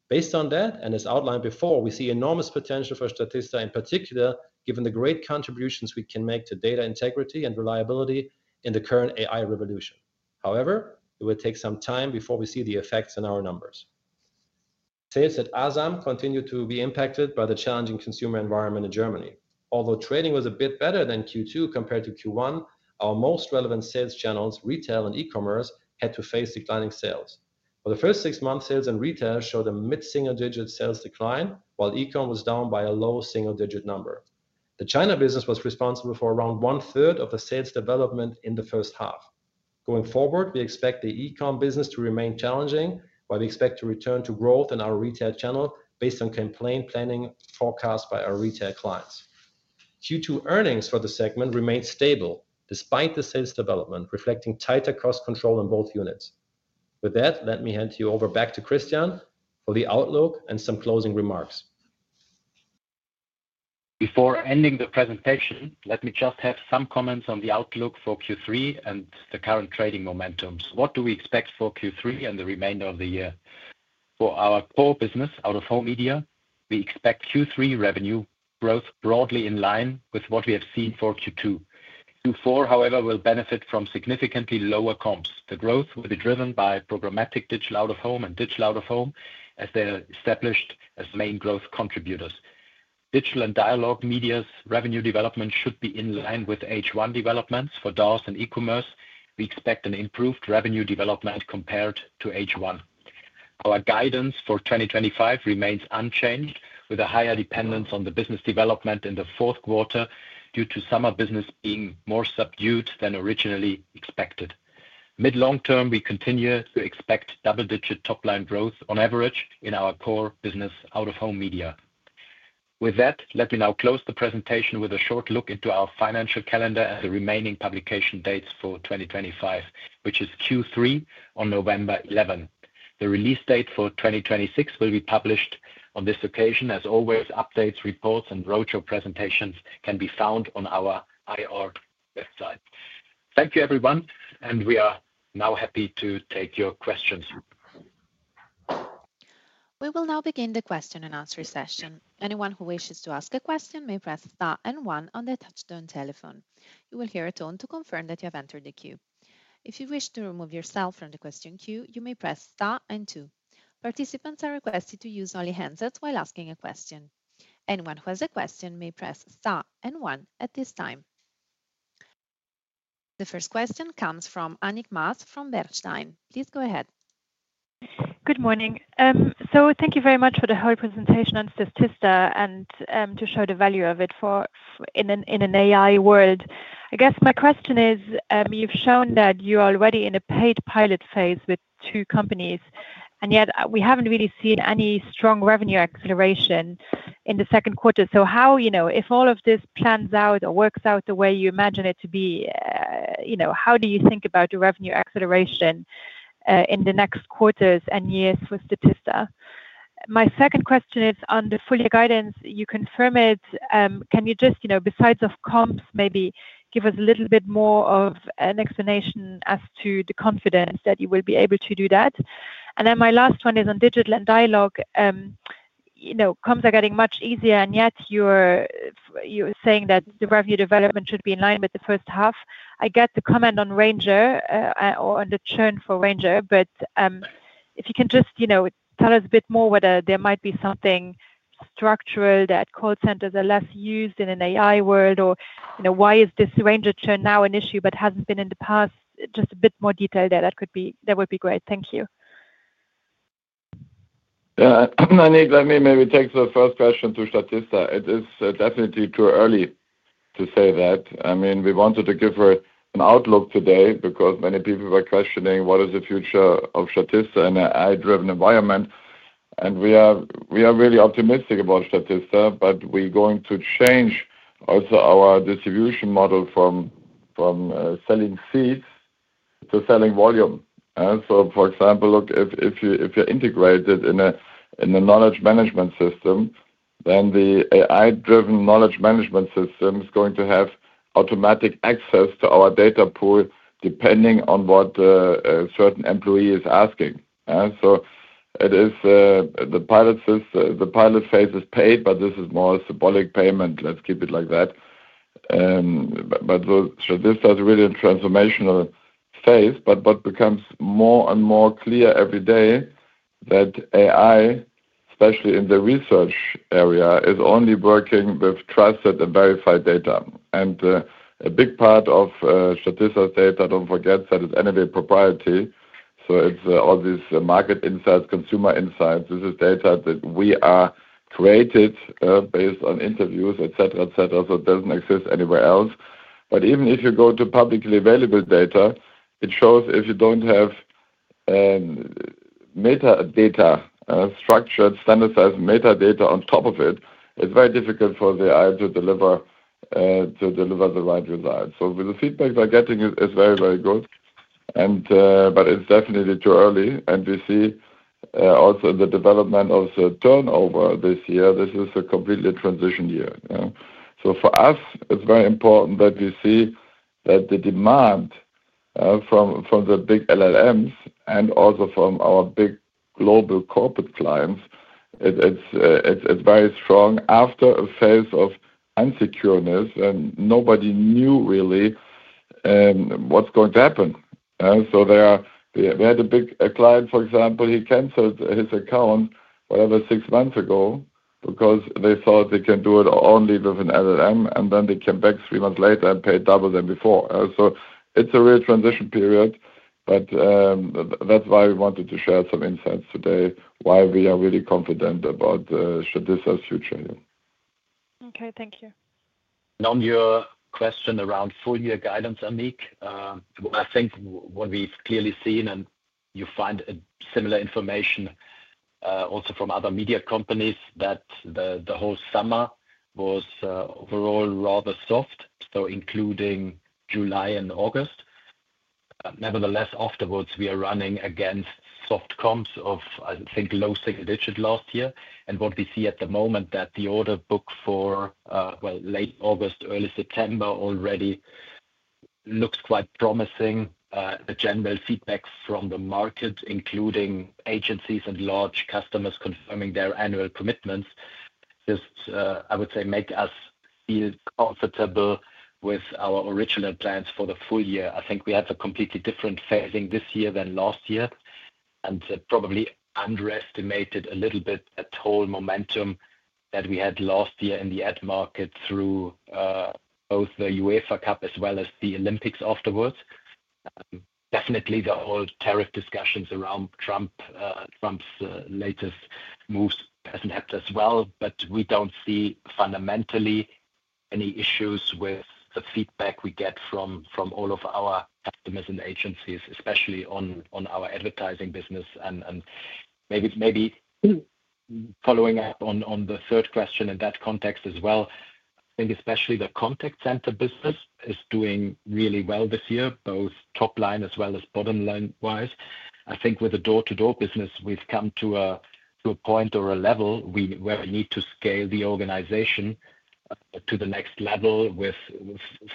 Based on that, and as outlined before, we see enormous potential for Statista, in particular given the great contributions we can make to data integrity and reliability in the current AI revolution. However, it will take some time before we see the effects in our numbers. Sales at Asam continue to be impacted by the challenging consumer environment in Germany. Although trading was a bit better in Q2 compared to Q1, our most relevant sales channels, retail and e-commerce, had to face declining sales. For the first six months, sales in retail showed a mid-single-digit sales decline, while e-commerce was down by a low single-digit number. The China business was responsible for around one-third of the sales development in the first half. Going forward, we expect the e-commerce business to remain challenging, while we expect to return to growth in our retail channel based on compliant planning forecasts by our retail clients. Q2 earnings for the segment remain stable despite the sales development, reflecting tighter cost control in both units. With that, let me hand you over back to Christian for the outlook and some closing remarks. Before ending the presentation, let me just add some comments on the outlook for Q3 and the current trading momentums. What do we expect for Q3 and the remainder of the year? For our core business, out-of-home media, we expect Q3 revenue growth broadly in line with what we have seen for Q2. Q4, however, will benefit from significantly lower comp. The growth will be driven by programmatic digital out-of-home and digital out-of-home as they are established as main growth contributors. Digital and dialogue media's revenue development should be in line with H1 developments for DAOs and e-commerce. We expect an improved revenue development compared to H1. Our guidance for 2025 remains unchanged, with a higher dependence on the business development in the fourth quarter due to summer business being more subdued than originally expected. Mid-long term, we continue to expect double-digit top-line growth on average in our core business, out-of-home media. With that, let me now close the presentation with a short look into our financial calendar and the remaining publication dates for 2025, which is Q3 on November 11. The release date for 2026 will be published on this occasion. As always, updates, reports, and roadshow presentations can be found on our iorg website. Thank you, everyone, and we are now happy to take your questions. We will now begin the question and answer session. Anyone who wishes to ask a question may press star and one on the touchstone telephone. You will hear a tone to confirm that you have entered the queue. If you wish to remove yourself from the question queue, you may press star and two. Participants are requested to use only handsets while asking a question. Anyone who has a question may press star and one at this time. The first question comes from Annick Maas from Bernstein. Please go ahead. Good morning. Thank you very much for the whole presentation on Statista and to show the value of it in an AI world. I guess my question is, you've shown that you're already in a paid pilot phase with two companies, and yet we haven't really seen any strong revenue acceleration in the second quarter. If all of this plans out or works out the way you imagine it to be, how do you think about revenue acceleration in the next quarters and years for Statista? My second question is, under fully guidance, you confirm it. Can you, besides comps, maybe give us a little bit more of an explanation as to the confidence that you will be able to do that? My last one is on digital and dialogue. Comps are getting much easier, and yet you're saying that the revenue development should be in line with the first half. I get the comment on Ranger or on the churn for Ranger, but if you can tell us a bit more whether there might be something structural that call centers are less used in an AI world, or why is this Ranger churn now an issue but hasn't been in the past? Just a bit more detail there, that would be great. Thank you. Annick, let me maybe take the first question to Statista. It is definitely too early to say that. I mean, we wanted to give her an outlook today because many people were questioning what is the future of Statista in an AI-driven environment. We are really optimistic about Statista, but we're going to change also our distribution model from selling seats to selling volume. For example, look, if you're integrated in a knowledge management system, then the AI-driven knowledge management system is going to have automatic access to our data pool depending on what a certain employee is asking. The pilot phase is paid, but this is more symbolic payment. Let's keep it like that. This is really a transformational phase. What becomes more and more clear every day is that AI, especially in the research area, is only working with trusted and verified data. A big part of Statista's data, don't forget, that is NDA proprietary. It's all these market insights, consumer insights. This is data that we created based on interviews, et cetera, et cetera. It doesn't exist anywhere else. Even if you go to publicly available data, it shows if you don't have metadata, structured, standardized metadata on top of it, it's very difficult for the AI to deliver the right results. The feedback we're getting is very, very good, but it's definitely too early. We see also in the development of the turnover this year. This is a completely transition year. For us, it's very important that we see that the demand from the big LLMs and also from our big global corporate clients, it's very strong after a phase of unsecureness, and nobody knew really what's going to happen. We had a big client, for example, he canceled his account whatever six months ago because they thought they can do it only with an LLM, and then they came back three months later and paid double than before. It's a real transition period, that's why we wanted to share some insights today, why we are really confident about Statista's future. Okay, thank you. On your question around full-year guidance, Annick, I think what we've clearly seen, and you find similar information also from other media companies, is that the whole summer was overall rather soft, including July and August. Nevertheless, afterwards, we are running against soft comps of, I think, low single digit last year. What we see at the moment is that the order book for late August and early September already looks quite promising. The general feedback from the market, including agencies and large customers confirming their annual commitments, just, I would say, makes us feel comfortable with our original plans for the full year. I think we had a completely different phasing this year than last year and probably underestimated a little bit that whole momentum that we had last year in the ad market through both the UEFA European Championship as well as the Olympics afterwards. Definitely, the whole tariff discussions around Trump's latest moves haven't helped as well. We don't see fundamentally any issues with the feedback we get from all of our optimism agencies, especially on our advertising business. Maybe following up on the third question in that context as well, I think especially the contact center business is doing really well this year, both top line as well as bottom line-wise. With the door-to-door business, we've come to a point or a level where we need to scale the organization to the next level with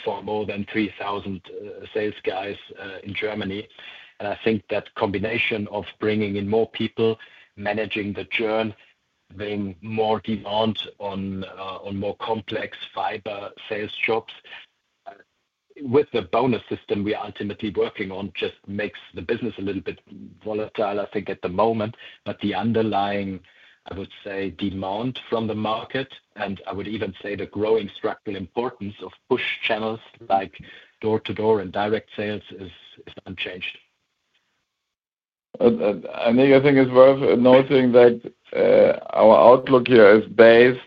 far more than 3,000 sales guys in Germany. That combination of bringing in more people, managing the churn, being more demand on more complex fiber sales shops, with the bonus system we are ultimately working on, just makes the business a little bit volatile, I think, at the moment. The underlying, I would say, demand from the market, and I would even say the growing structural importance of push channels like door-to-door and direct sales, is unchanged. I think it's worth noting that our outlook here is based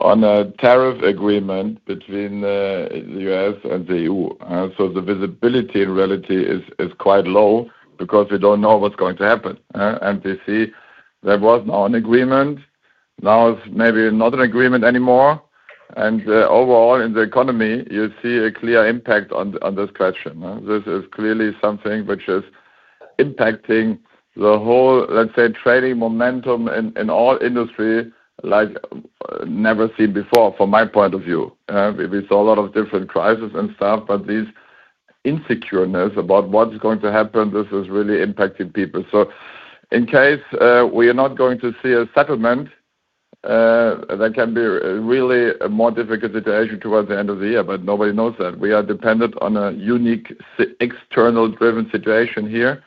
on a tariff agreement between the U.S. and the EU. The visibility in reality is quite low because we don't know what's going to happen. We see there was an agreement, now it's maybe not an agreement anymore. Overall, in the economy, you see a clear impact on this question. This is clearly something which is impacting the whole, let's say, trading momentum in all industries like never seen before from my point of view. We saw a lot of different crises and stuff, but this insecureness about what's going to happen is really impacting people. In case we are not going to see a settlement, that can be really a more difficult situation towards the end of the year, but nobody knows that. We are dependent on a unique external driven situation here.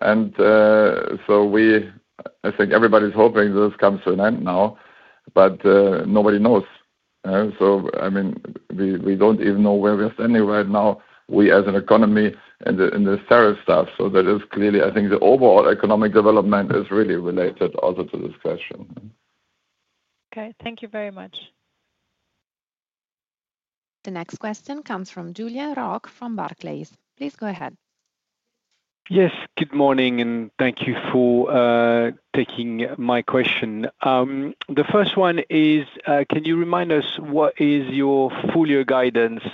I think everybody's hoping this comes to an end now, but nobody knows. I mean, we don't even know where we are standing right now, we as an economy and the tariff stuff. That is clearly, I think the overall economic development is really related also to this question. Okay, thank you very much. The next question comes from Julia Roch from Barclays. Please go ahead. Yes, good morning, and thank you for taking my question. The first one is, can you remind us what is your full-year guidance?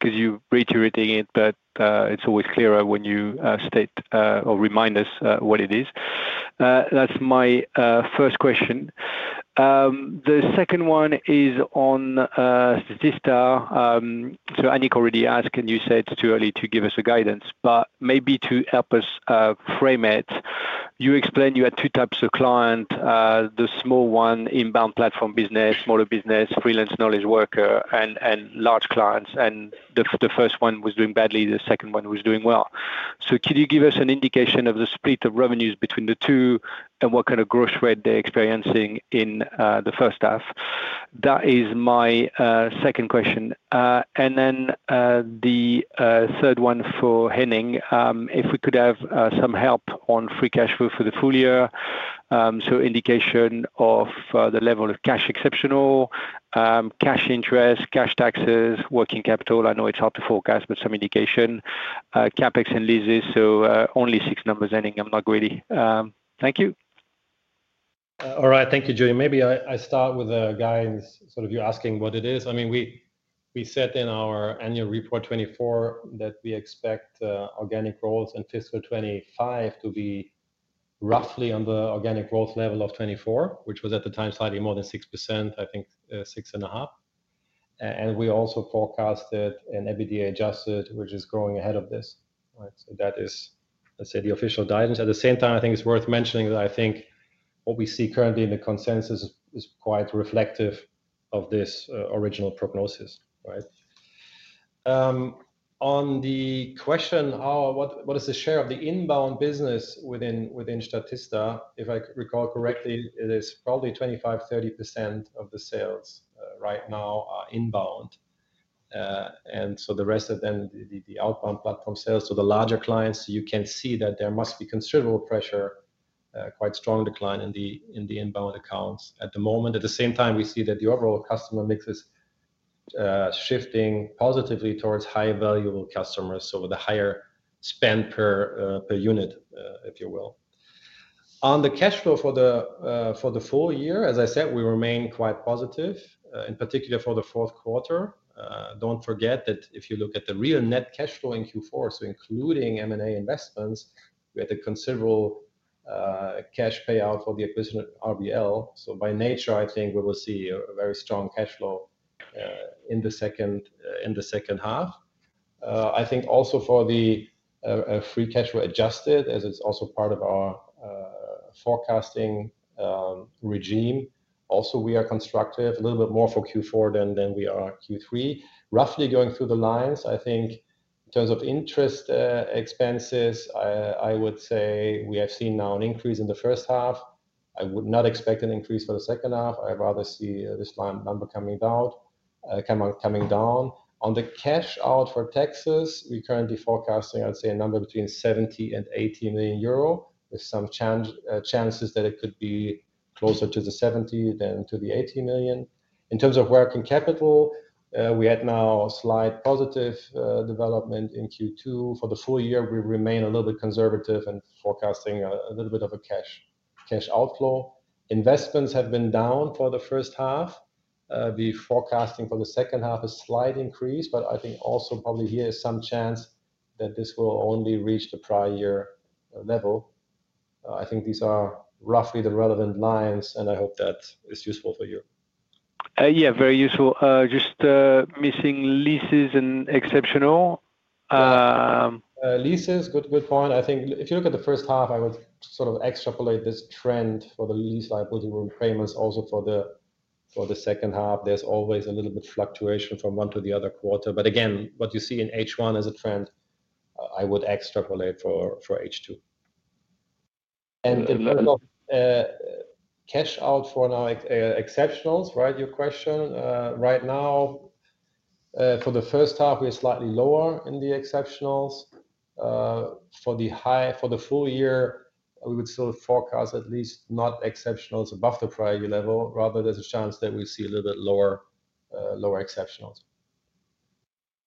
Because you're reiterating it, but it's always clearer when you state or remind us what it is. That's my first question. The second one is on Statista. Annick already asked, can you say it's too early to give us a guidance, but maybe to help us frame it, you explained you had two types of clients, the small one inbound platform business, smaller business, freelance knowledge worker, and large clients. The first one was doing badly, the second one was doing well. Could you give us an indication of the split of revenues between the two and what kind of growth rate they're experiencing in the first half? That is my second question. The third one for Henning, if we could have some help on free cash flow for the full year. Indication of the level of cash exceptional, cash interest, cash taxes, working capital. I know it's hard to forecast, but some indication, CapEx and leases. Only six numbers, Henning. I'm not greedy. Thank you. All right, thank you, Julie. Maybe I start with guidance, sort of you asking what it is. I mean, we set in our annual report 2024 that we expect organic growth in fiscal 2025 to be roughly on the organic growth level of 2024, which was at the time slightly more than 6%, I think 6.5%. We also forecasted an EBITDA adjusted, which is growing ahead of this. That is, let's say, the official guidance. At the same time, I think it's worth mentioning that what we see currently in the consensus is quite reflective of this original prognosis. On the question, what is the share of the inbound business within Statista? If I recall correctly, it is probably 25%, 30% of the sales right now are inbound. The rest of them, the outbound platform sales to the larger clients, you can see that there must be considerable pressure, quite strong decline in the inbound accounts at the moment. At the same time, we see that the overall customer mix is shifting positively towards high valuable customers, so with a higher spend per unit, if you will. On the cash flow for the full year, as I said, we remain quite positive, in particular for the fourth quarter. Don't forget that if you look at the real net cash flow in Q4, so including M&A investments, we had a considerable cash payout for the acquisition of RBL Media. By nature, I think we will see a very strong cash flow in the second half. I think also for the free cash flow adjusted, as it's also part of our forecasting regime, we are constructive a little bit more for Q4 than we are Q3. Roughly going through the lines, I think in terms of interest expenses, I would say we have seen now an increase in the first half. I would not expect an increase for the second half. I'd rather see this number coming down. On the cash out for taxes, we're currently forecasting, I'd say, a number between 70 million and 80 million euro, with some chances that it could be closer to the 70 million than to the 80 million. In terms of working capital, we had now a slight positive development in Q2. For the full year, we remain a little bit conservative and forecasting a little bit of a cash outflow. Investments have been down for the first half. We're forecasting for the second half a slight increase, but I think also probably here is some chance that this will only reach the prior year level. I think these are roughly the relevant lines, and I hope that is useful for you. Yeah, very useful. Just missing leases and exceptional. Leases, good point. I think if you look at the first half, I would sort of extrapolate this trend for the lease liability repayments also for the second half. There's always a little bit of fluctuation from one to the other quarter. What you see in H1 is a trend I would extrapolate for H2. For now, exceptionals, right? Your question. Right now, for the first half, we are slightly lower in the exceptionals. For the full year, we would still forecast at least not exceptionals above the prior year level. Rather, there's a chance that we see a little bit lower exceptionals.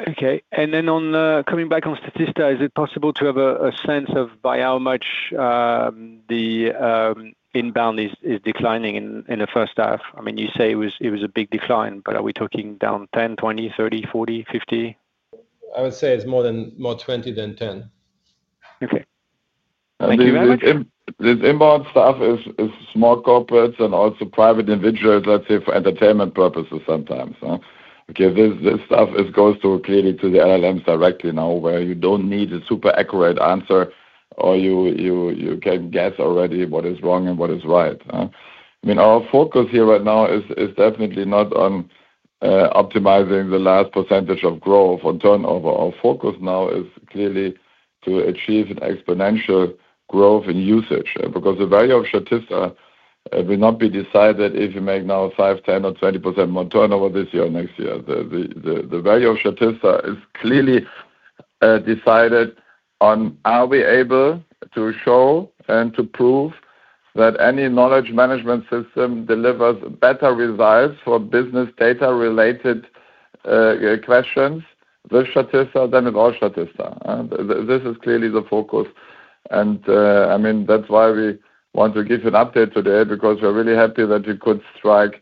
Okay. Coming back on Statista, is it possible to have a sense of by how much the inbound is declining in the first half? I mean, you say it was a big decline, but are we talking down 10%, 20%, 30%, 40%, 50%? I would say it's more than 20% than 10%. Okay, thank you very much. The inbound stuff is small corporates and also private individuals, let's say, for entertainment purposes sometimes. Okay, this stuff goes clearly to the LLMs directly now where you don't need a super accurate answer or you can guess already what is wrong and what is right. I mean, our focus here right now is definitely not on optimizing the last percentage of growth or turnover. Our focus now is clearly to achieve exponential growth in usage because the value of Statista will not be decided if you make now 5%, 10%, or 20% more turnover this year or next year. The value of Statista is clearly decided on are we able to show and to prove that any knowledge management system delivers better results for business data-related questions with Statista than without Statista. This is clearly the focus. I mean, that's why we want to give you an update today because we're really happy that we could strike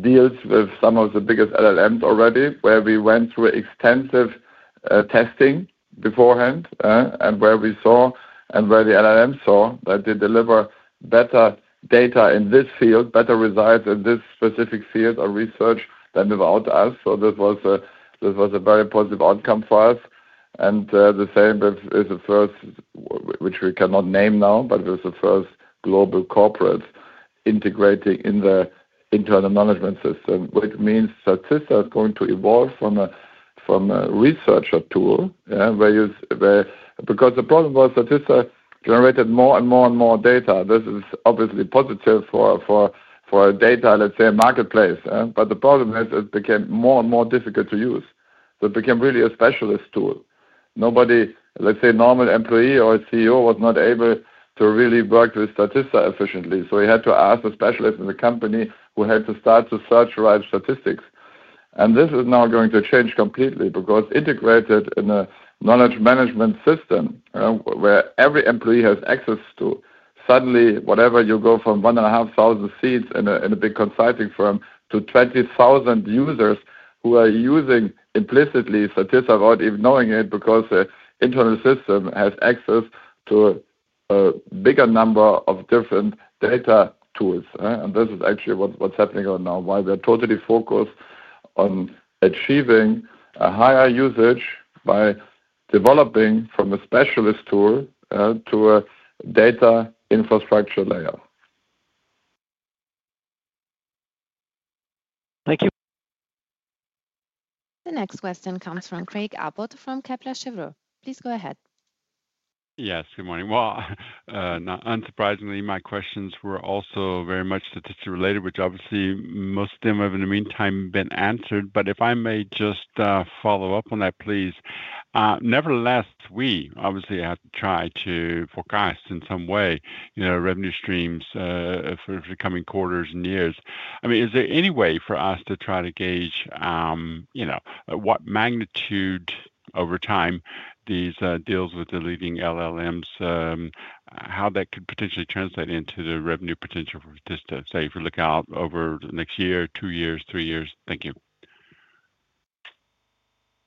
deals with some of the biggest LLMs already where we went through extensive testing beforehand and where we saw and where the LLMs saw that they deliver better data in this field, better results in this specific field of research than without us. This was a very positive outcome for us. The same is the first, which we cannot name now, but it was the first global corporate integrating in the internal management system, which means Statista is going to evolve from a researcher tool where you... Because the problem was Statista generated more and more and more data. This is obviously positive for a data, let's say, marketplace. The problem is it became more and more difficult to use. It became really a specialist tool. Nobody, let's say, normal employee or a CEO was not able to really work with Statista efficiently. We had to ask a specialist in the company who had to start to search for statistics. This is now going to change completely because integrated in a knowledge management system where every employee has access to, suddenly, whatever you go from 1,500 seats in a big consulting firm to 20,000 users who are using implicitly Statista without even knowing it because the internal system has access to a bigger number of different data tools. This is actually what's happening right now, why we are totally focused on achieving a higher usage by developing from a specialist tool to a data infrastructure layer. Thank you. The next question comes from Craig Abbott from Kepler Chevreux. Please go ahead. Yes, good morning. Not unsurprisingly, my questions were also very much Statista related, which obviously most of them have in the meantime been answered. If I may just follow up on that, please. Nevertheless, we obviously have to try to forecast in some way, you know, revenue streams for the coming quarters and years. I mean, is there any way for us to try to gauge, you know, what magnitude over time these deals with the leading LLMs, how that could potentially translate into the revenue potential for Statista? Say if we look out over the next year, two years, three years. Thank you.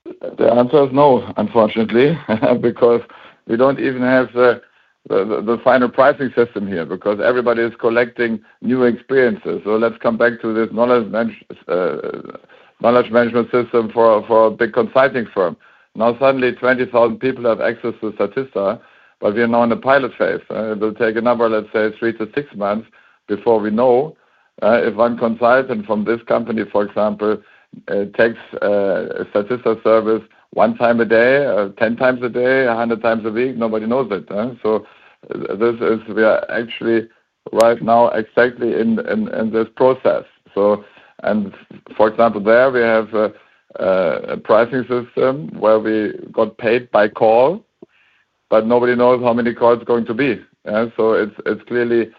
The answer is no, unfortunately, because we don't even have the final pricing system here because everybody is collecting new experiences. Let's come back to this knowledge management system for a big consulting firm. Now suddenly, 20,000 people have access to Statista, but we are now in the pilot phase. It will take another, let's say, three to six months before we know if one consultant from this company, for example, takes a Statista service one time a day, 10x a day, 100x a week, nobody knows it. We are actually right now exactly in this process. For example, there we have a pricing system where we got paid by call, but nobody knows how many calls there are going to be. It's clearly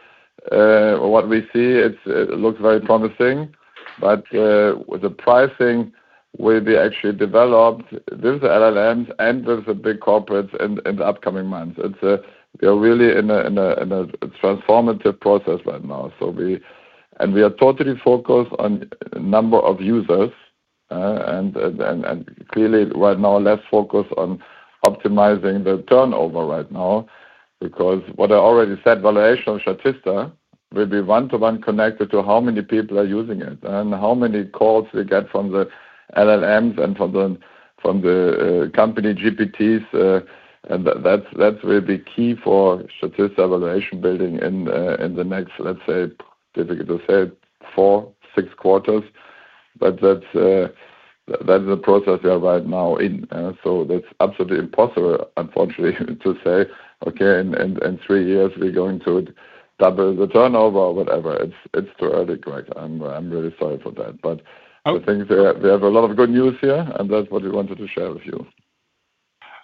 what we see. It looks very promising, but the pricing will be actually developed with large language models and with the big corporates in the upcoming months. They're really in a transformative process right now. We are totally focused on a number of users and clearly right now less focused on optimizing the turnover right now because what I already said, valuation of Statista will be one-to-one connected to how many people are using it and how many calls we get from the large language models and from the company GPTs. That will be key for Statista valuation building in the next, let's say, difficult to say, four, six quarters. That's the process we are right now in. It's absolutely impossible, unfortunately, to say, okay, in three years we're going to double the turnover or whatever. It's too early, Craig. I'm really sorry for that. I think we have a lot of good news here, and that's what we wanted to share with you.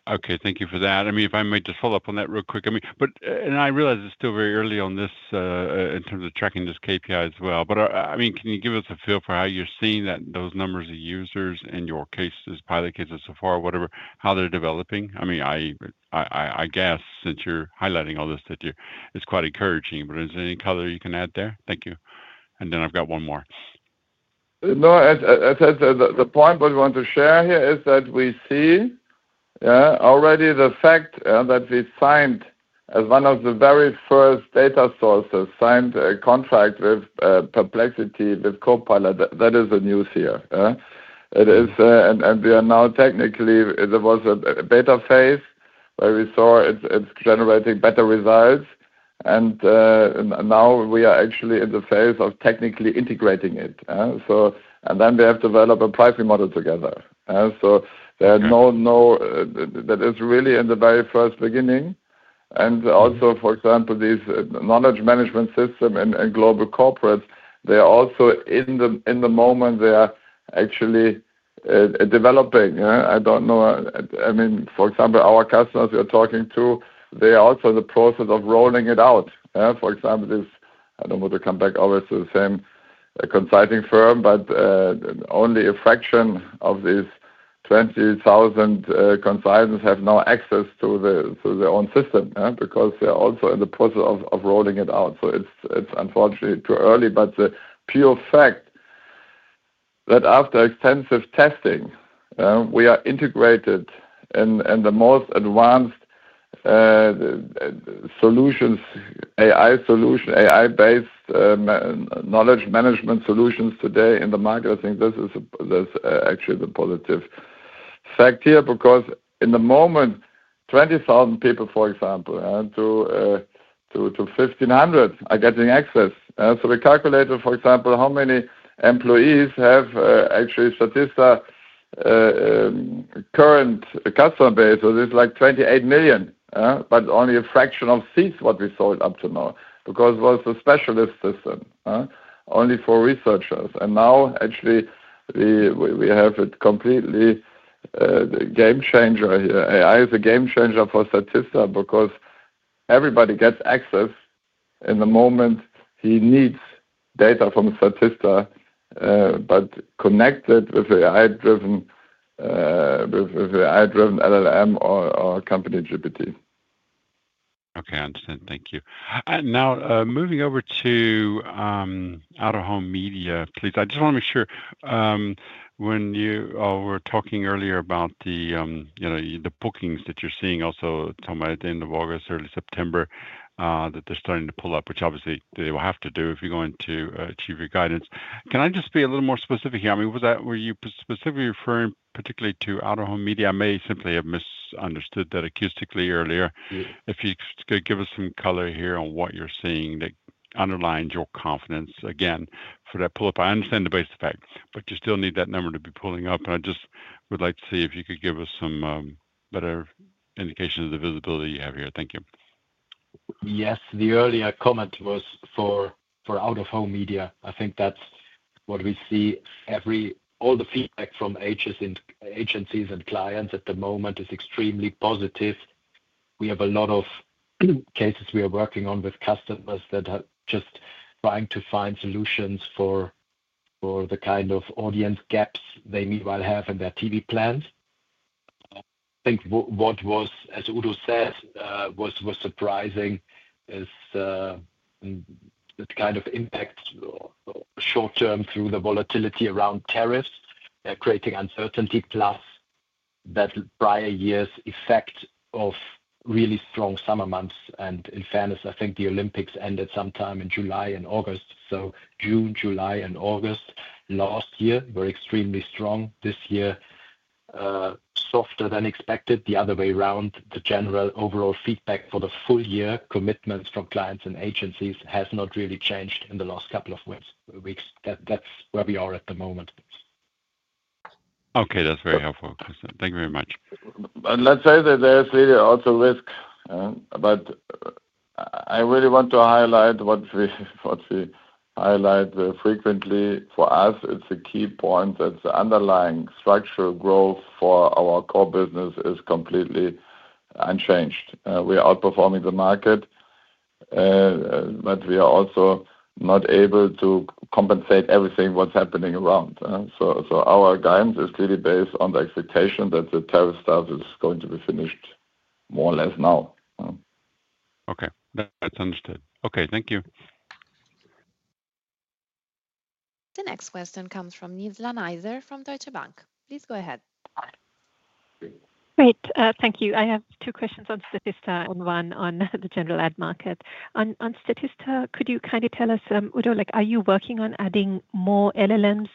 Okay, thank you for that. If I may just follow up on that real quick. I realize it's still very early on this in terms of tracking this KPI as well. Can you give us a feel for how you're seeing those numbers of users in your pilot cases so far, how they're developing? I guess since you're highlighting all this, that it's quite encouraging. Is there any color you can add there? Thank you. I've got one more. No, as I said, the point we want to share here is that we see already the fact that we signed, as one of the very first data sources, signed a contract with Perplexity, with Copilot. That is the news here. We are now technically, there was a beta phase where we saw it's generating better results. We are actually in the phase of technically integrating it. We have to develop a pricing model together. There are no, that is really in the very first beginning. Also, for example, these knowledge management systems in global corporates, they're also in the moment they are actually developing. I don't know. I mean, for example, our customers we are talking to, they are also in the process of rolling it out. For example, this, I don't want to come back always to the same consulting firm, but only a fraction of these 20,000 consultants have now access to their own system because they're also in the process of rolling it out. It's unfortunately too early, but the pure fact that after extensive testing, we are integrated in the most advanced solutions, AI solutions, AI-based knowledge management solutions today in the market. I think this is actually the positive fact here because in the moment, 20,000 people, for example, to 1,500 are getting access. We calculated, for example, how many employees have actually Statista current customer base. This is like 28 million, but only a fraction of seats what we sold up to now because it was the specialist system, only for researchers. Now, actually, we have a completely game changer here. AI is a game changer for Statista because everybody gets access in the moment he needs data from Statista, but connected with AI-driven LLM or company GPT. Okay, I understand. Thank you. Now, moving over to out-of-home media, please, I just want to make sure, when you were talking earlier about the bookings that you're seeing also, Tom, at the end of August, early September, that they're starting to pull up, which obviously they will have to do if you're going to achieve your guidance. Can I just be a little more specific here? I mean, were you specifically referring particularly to out-of-home media? I may simply have misunderstood that acoustically earlier. If you could give us some color here on what you're seeing that underlines your confidence again for that pull-up. I understand the base effect, but you still need that number to be pulling up. I just would like to see if you could give us some better indication of the visibility you have here. Thank you. Yes, the earlier comment was for out-of-home media. I think that's what we see. All the feedback from agents and agencies and clients at the moment is extremely positive. We have a lot of cases we are working on with customers that are just trying to find solutions for the kind of audience gaps they meanwhile have in their TV plans. I think what was, as Udo said, was surprising is the kind of impact short term through the volatility around tariffs. They're creating uncertainty, plus that prior year's effect of really strong summer months. In fairness, I think the Olympics ended sometime in July and August. June, July, and August last year were extremely strong. This year, softer than expected. The other way around, the general overall feedback for the full year commitments from clients and agencies has not really changed in the last couple of weeks. That's where we are at the moment. Okay, that's very helpful, Christian. Thank you very much. There is really also risk. I really want to highlight what we highlight frequently. For us, it's a key point that the underlying structural growth for our core business is completely unchanged. We are outperforming the market, but we are also not able to compensate everything that's happening around. Our guidance is clearly based on the expectation that the tariff stuff is going to be finished more or less now. Okay, that's understood. Thank you. The next question comes from Nizla Naizer from Deutsche Bank. Please go ahead. Great, thank you. I have two questions on Statista, one on the general ad market. On Statista, could you kind of tell us, Udo, are you working on adding more LLMs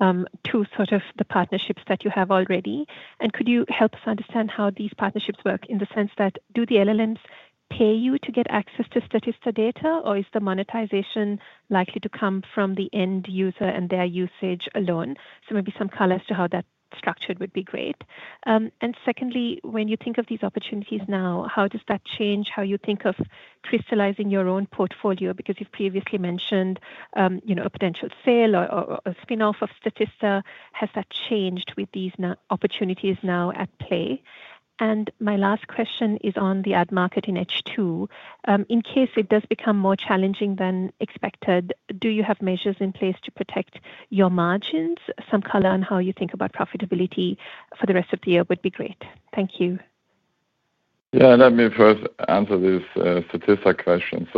to sort of the partnerships that you have already? Could you help us understand how these partnerships work in the sense that do the LLMs pay you to get access to Statista data, or is the monetization likely to come from the end user and their usage alone? Maybe some color to how that is structured would be great. Secondly, when you think of these opportunities now, how does that change how you think of crystallizing your own portfolio? You've previously mentioned a potential sale or a spin-off of Statista. Has that changed with these opportunities now at play? My last question is on the. Marketing HQ, in case it does become more challenging than expected, do you have measures in place to protect your margins? Some color on how you think about profitability for the rest of the year would be great. Thank you. Yeah, let me first answer this Statista question.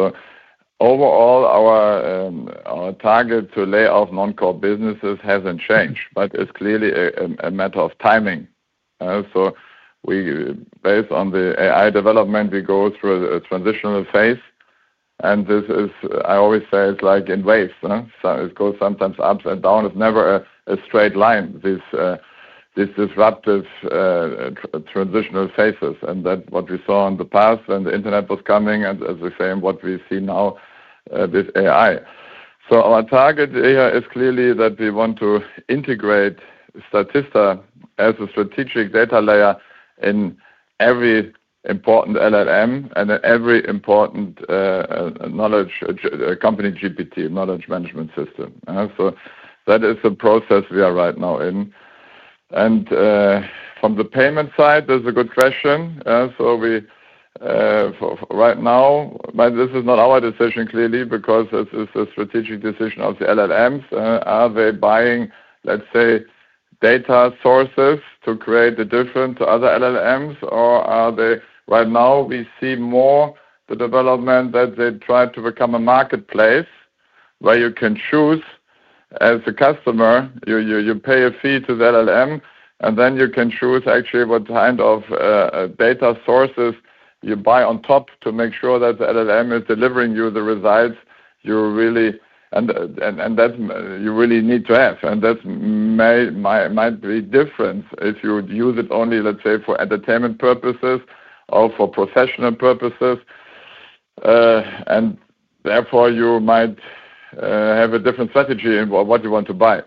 Overall, our target to lay off non-core businesses hasn't changed, but it's clearly a matter of timing. Based on the AI development, we go through a transitional phase. I always say it's like in waves. It goes sometimes up and down. It's never a straight line, these disruptive transitional phases. That's what we saw in the past when the internet was coming, as we say, and what we see now with AI. Our target here is clearly that we want to integrate Statista as a strategic data layer in every important large language model and every important knowledge company GPT, knowledge management system. That is the process we are right now in. From the payment side, that's a good question. Right now, this is not our decision clearly because it's a strategic decision of the large language models. Are they buying, let's say, data sources to create a difference to other large language models? Or are they, right now, we see more the development that they try to become a marketplace where you can choose as a customer. You pay a fee to the large language model, and then you can choose actually what kind of data sources you buy on top to make sure that the large language model is delivering you the results you really, and that you really need to have. That might be different if you would use it only, let's say, for entertainment purposes or for professional purposes. Therefore, you might have a different strategy in what you want to buy.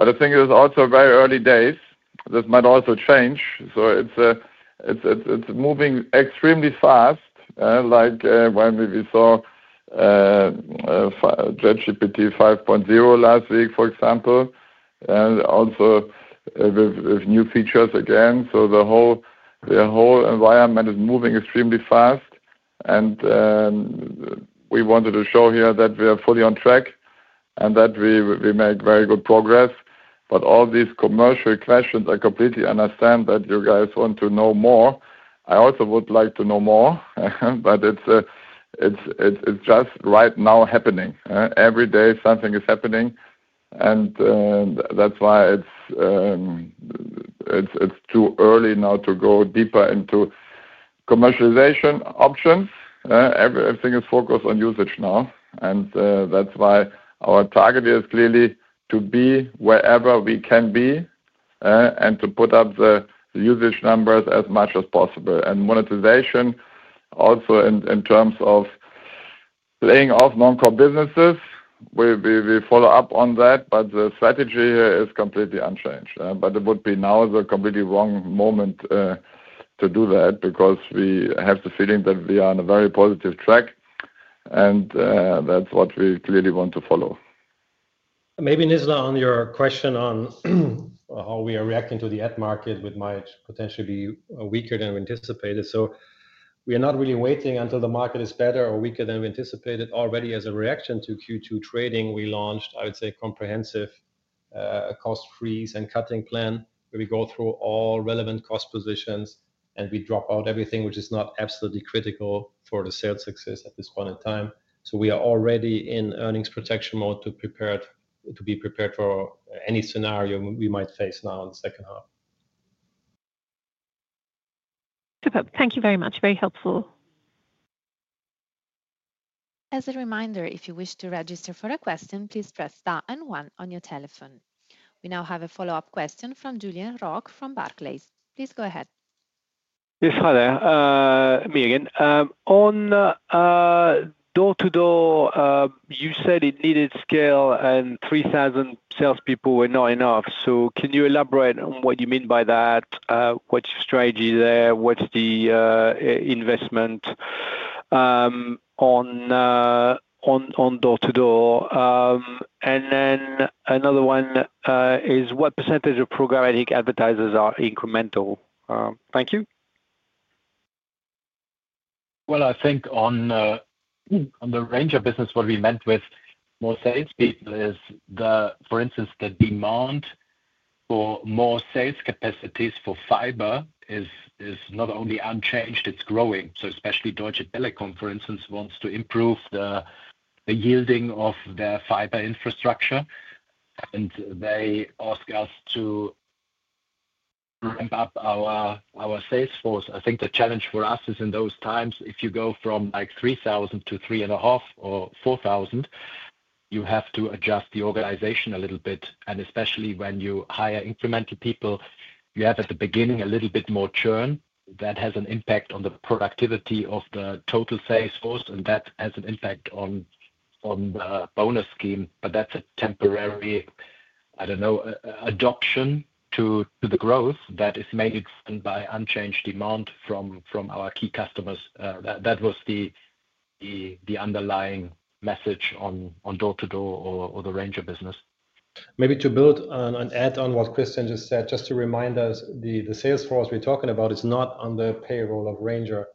I think it is also very early days. This might also change. It's moving extremely fast, like when we saw ChatGPT 5.0 last week, for example, and also with new features again. The whole environment is moving extremely fast. We wanted to show here that we are fully on track and that we make very good progress. All these commercial questions, I completely understand that you guys want to know more. I also would like to know more, but it's just right now happening. Every day, something is happening. That's why it's too early now to go deeper into commercialization options. Everything is focused on usage now. That's why our target is clearly to be wherever we can be and to put up the usage numbers as much as possible. Monetization also in terms of laying off non-core businesses, we follow up on that. The strategy here is completely unchanged. It would be now the completely wrong moment to do that because we have the feeling that we are on a very positive track. That's what we clearly want to follow. Maybe, Nizla, on your question on how we are reacting to the ad market, which might potentially be weaker than we anticipated. We are not really waiting until the market is better or weaker than we anticipated. Already as a reaction to Q2 trading, we launched, I would say, a comprehensive cost freeze and cutting plan where we go through all relevant cost positions, and we drop out everything which is not absolutely critical for the sales success at this point in time. We are already in earnings protection mode to be prepared for any scenario we might face now in the second half. Thank you very much. Very helpful. As a reminder, if you wish to register for a question, please press star and one on your telephone. We now have a follow-up question from Julian Roch from Barclays. Please go ahead. Yes, hi there. Me again. On door-to-door, you said it needed scale and 3,000 salespeople were not enough. Can you elaborate on what you mean by that? What's your strategy there? What's the investment on door-to-door? Another one is what percentage of programmatic advertisers are incremental? Thank you. On the range of business, what we meant with more salespeople is that, for instance, the demand for more sales capacities for fiber is not only unchanged, it's growing. For example, Deutsche Telekom, for instance, wants to improve the yielding of their fiber infrastructure, and they ask us to ramp up our sales force. The challenge for us is in those times, if you go from 3,000 to 3,500 or 4,000, you have to adjust the organization a little bit. Especially when you hire incremental people, you have at the beginning a little bit more churn. That has an impact on the productivity of the total sales force, and that has an impact on the bonus scheme. That's a temporary, I don't know, adoption to the growth that is made by unchanged demand from our key customers. That was the underlying message on door-to-door or the range of business. Maybe to build on and add on what Christian just said, just to remind us, the sales force we're talking about is not on the payroll of Ranger.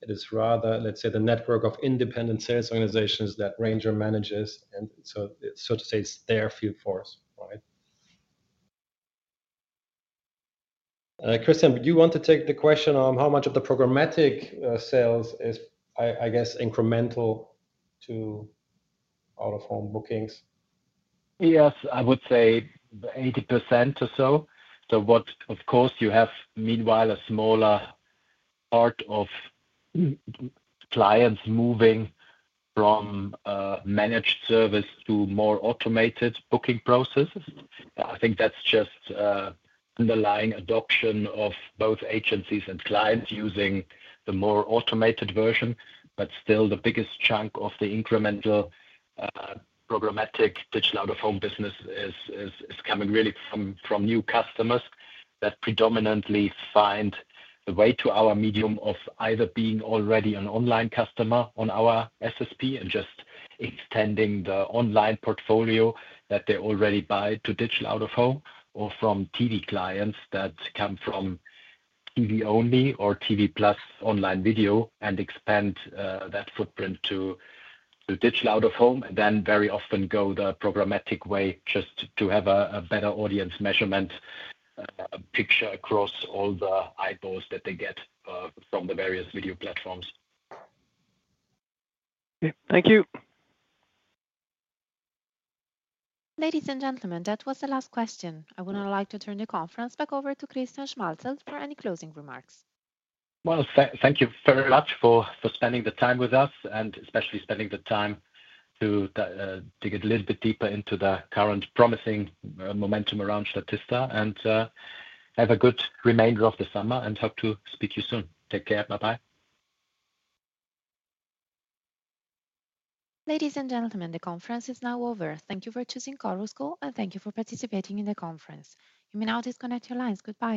It is rather, let's say, the network of independent sales organizations that Ranger manages. It's their field force, right? Christian, would you want to take the question on how much of the programmatic sales is, I guess, incremental to out-of-home bookings? Yes, I would say 80% or so. Of course, you have meanwhile a smaller part of clients moving from managed service to more automated booking processes. I think that's just underlying adoption of both agencies and clients using the more automated version. Still, the biggest chunk of the incremental programmatic digital out-of-home business is coming really from new customers that predominantly find the way to our medium, either being already an online customer on our SSP and just extending the online portfolio that they already buy to digital out-of-home, or from TV clients that come from TV only or TV plus online video and expand that footprint to digital out-of-home. Very often, they go the programmatic way just to have a better audience measurement picture across all the eyeballs that they get from the various video platforms. Thank you. Ladies and gentlemen, that was the last question. I would now like to turn the conference back over to Christian Schmalzl for any closing remarks. Thank you very much for spending the time with us and especially spending the time to dig a little bit deeper into the current promising momentum around Statista. Have a good remainder of the summer and hope to speak to you soon. Take care. Bye bye. Ladies and gentlemen, the conference is now over. Thank you for choosing Ströer and thank you for participating in the conference. You may now disconnect your lines. Goodbye.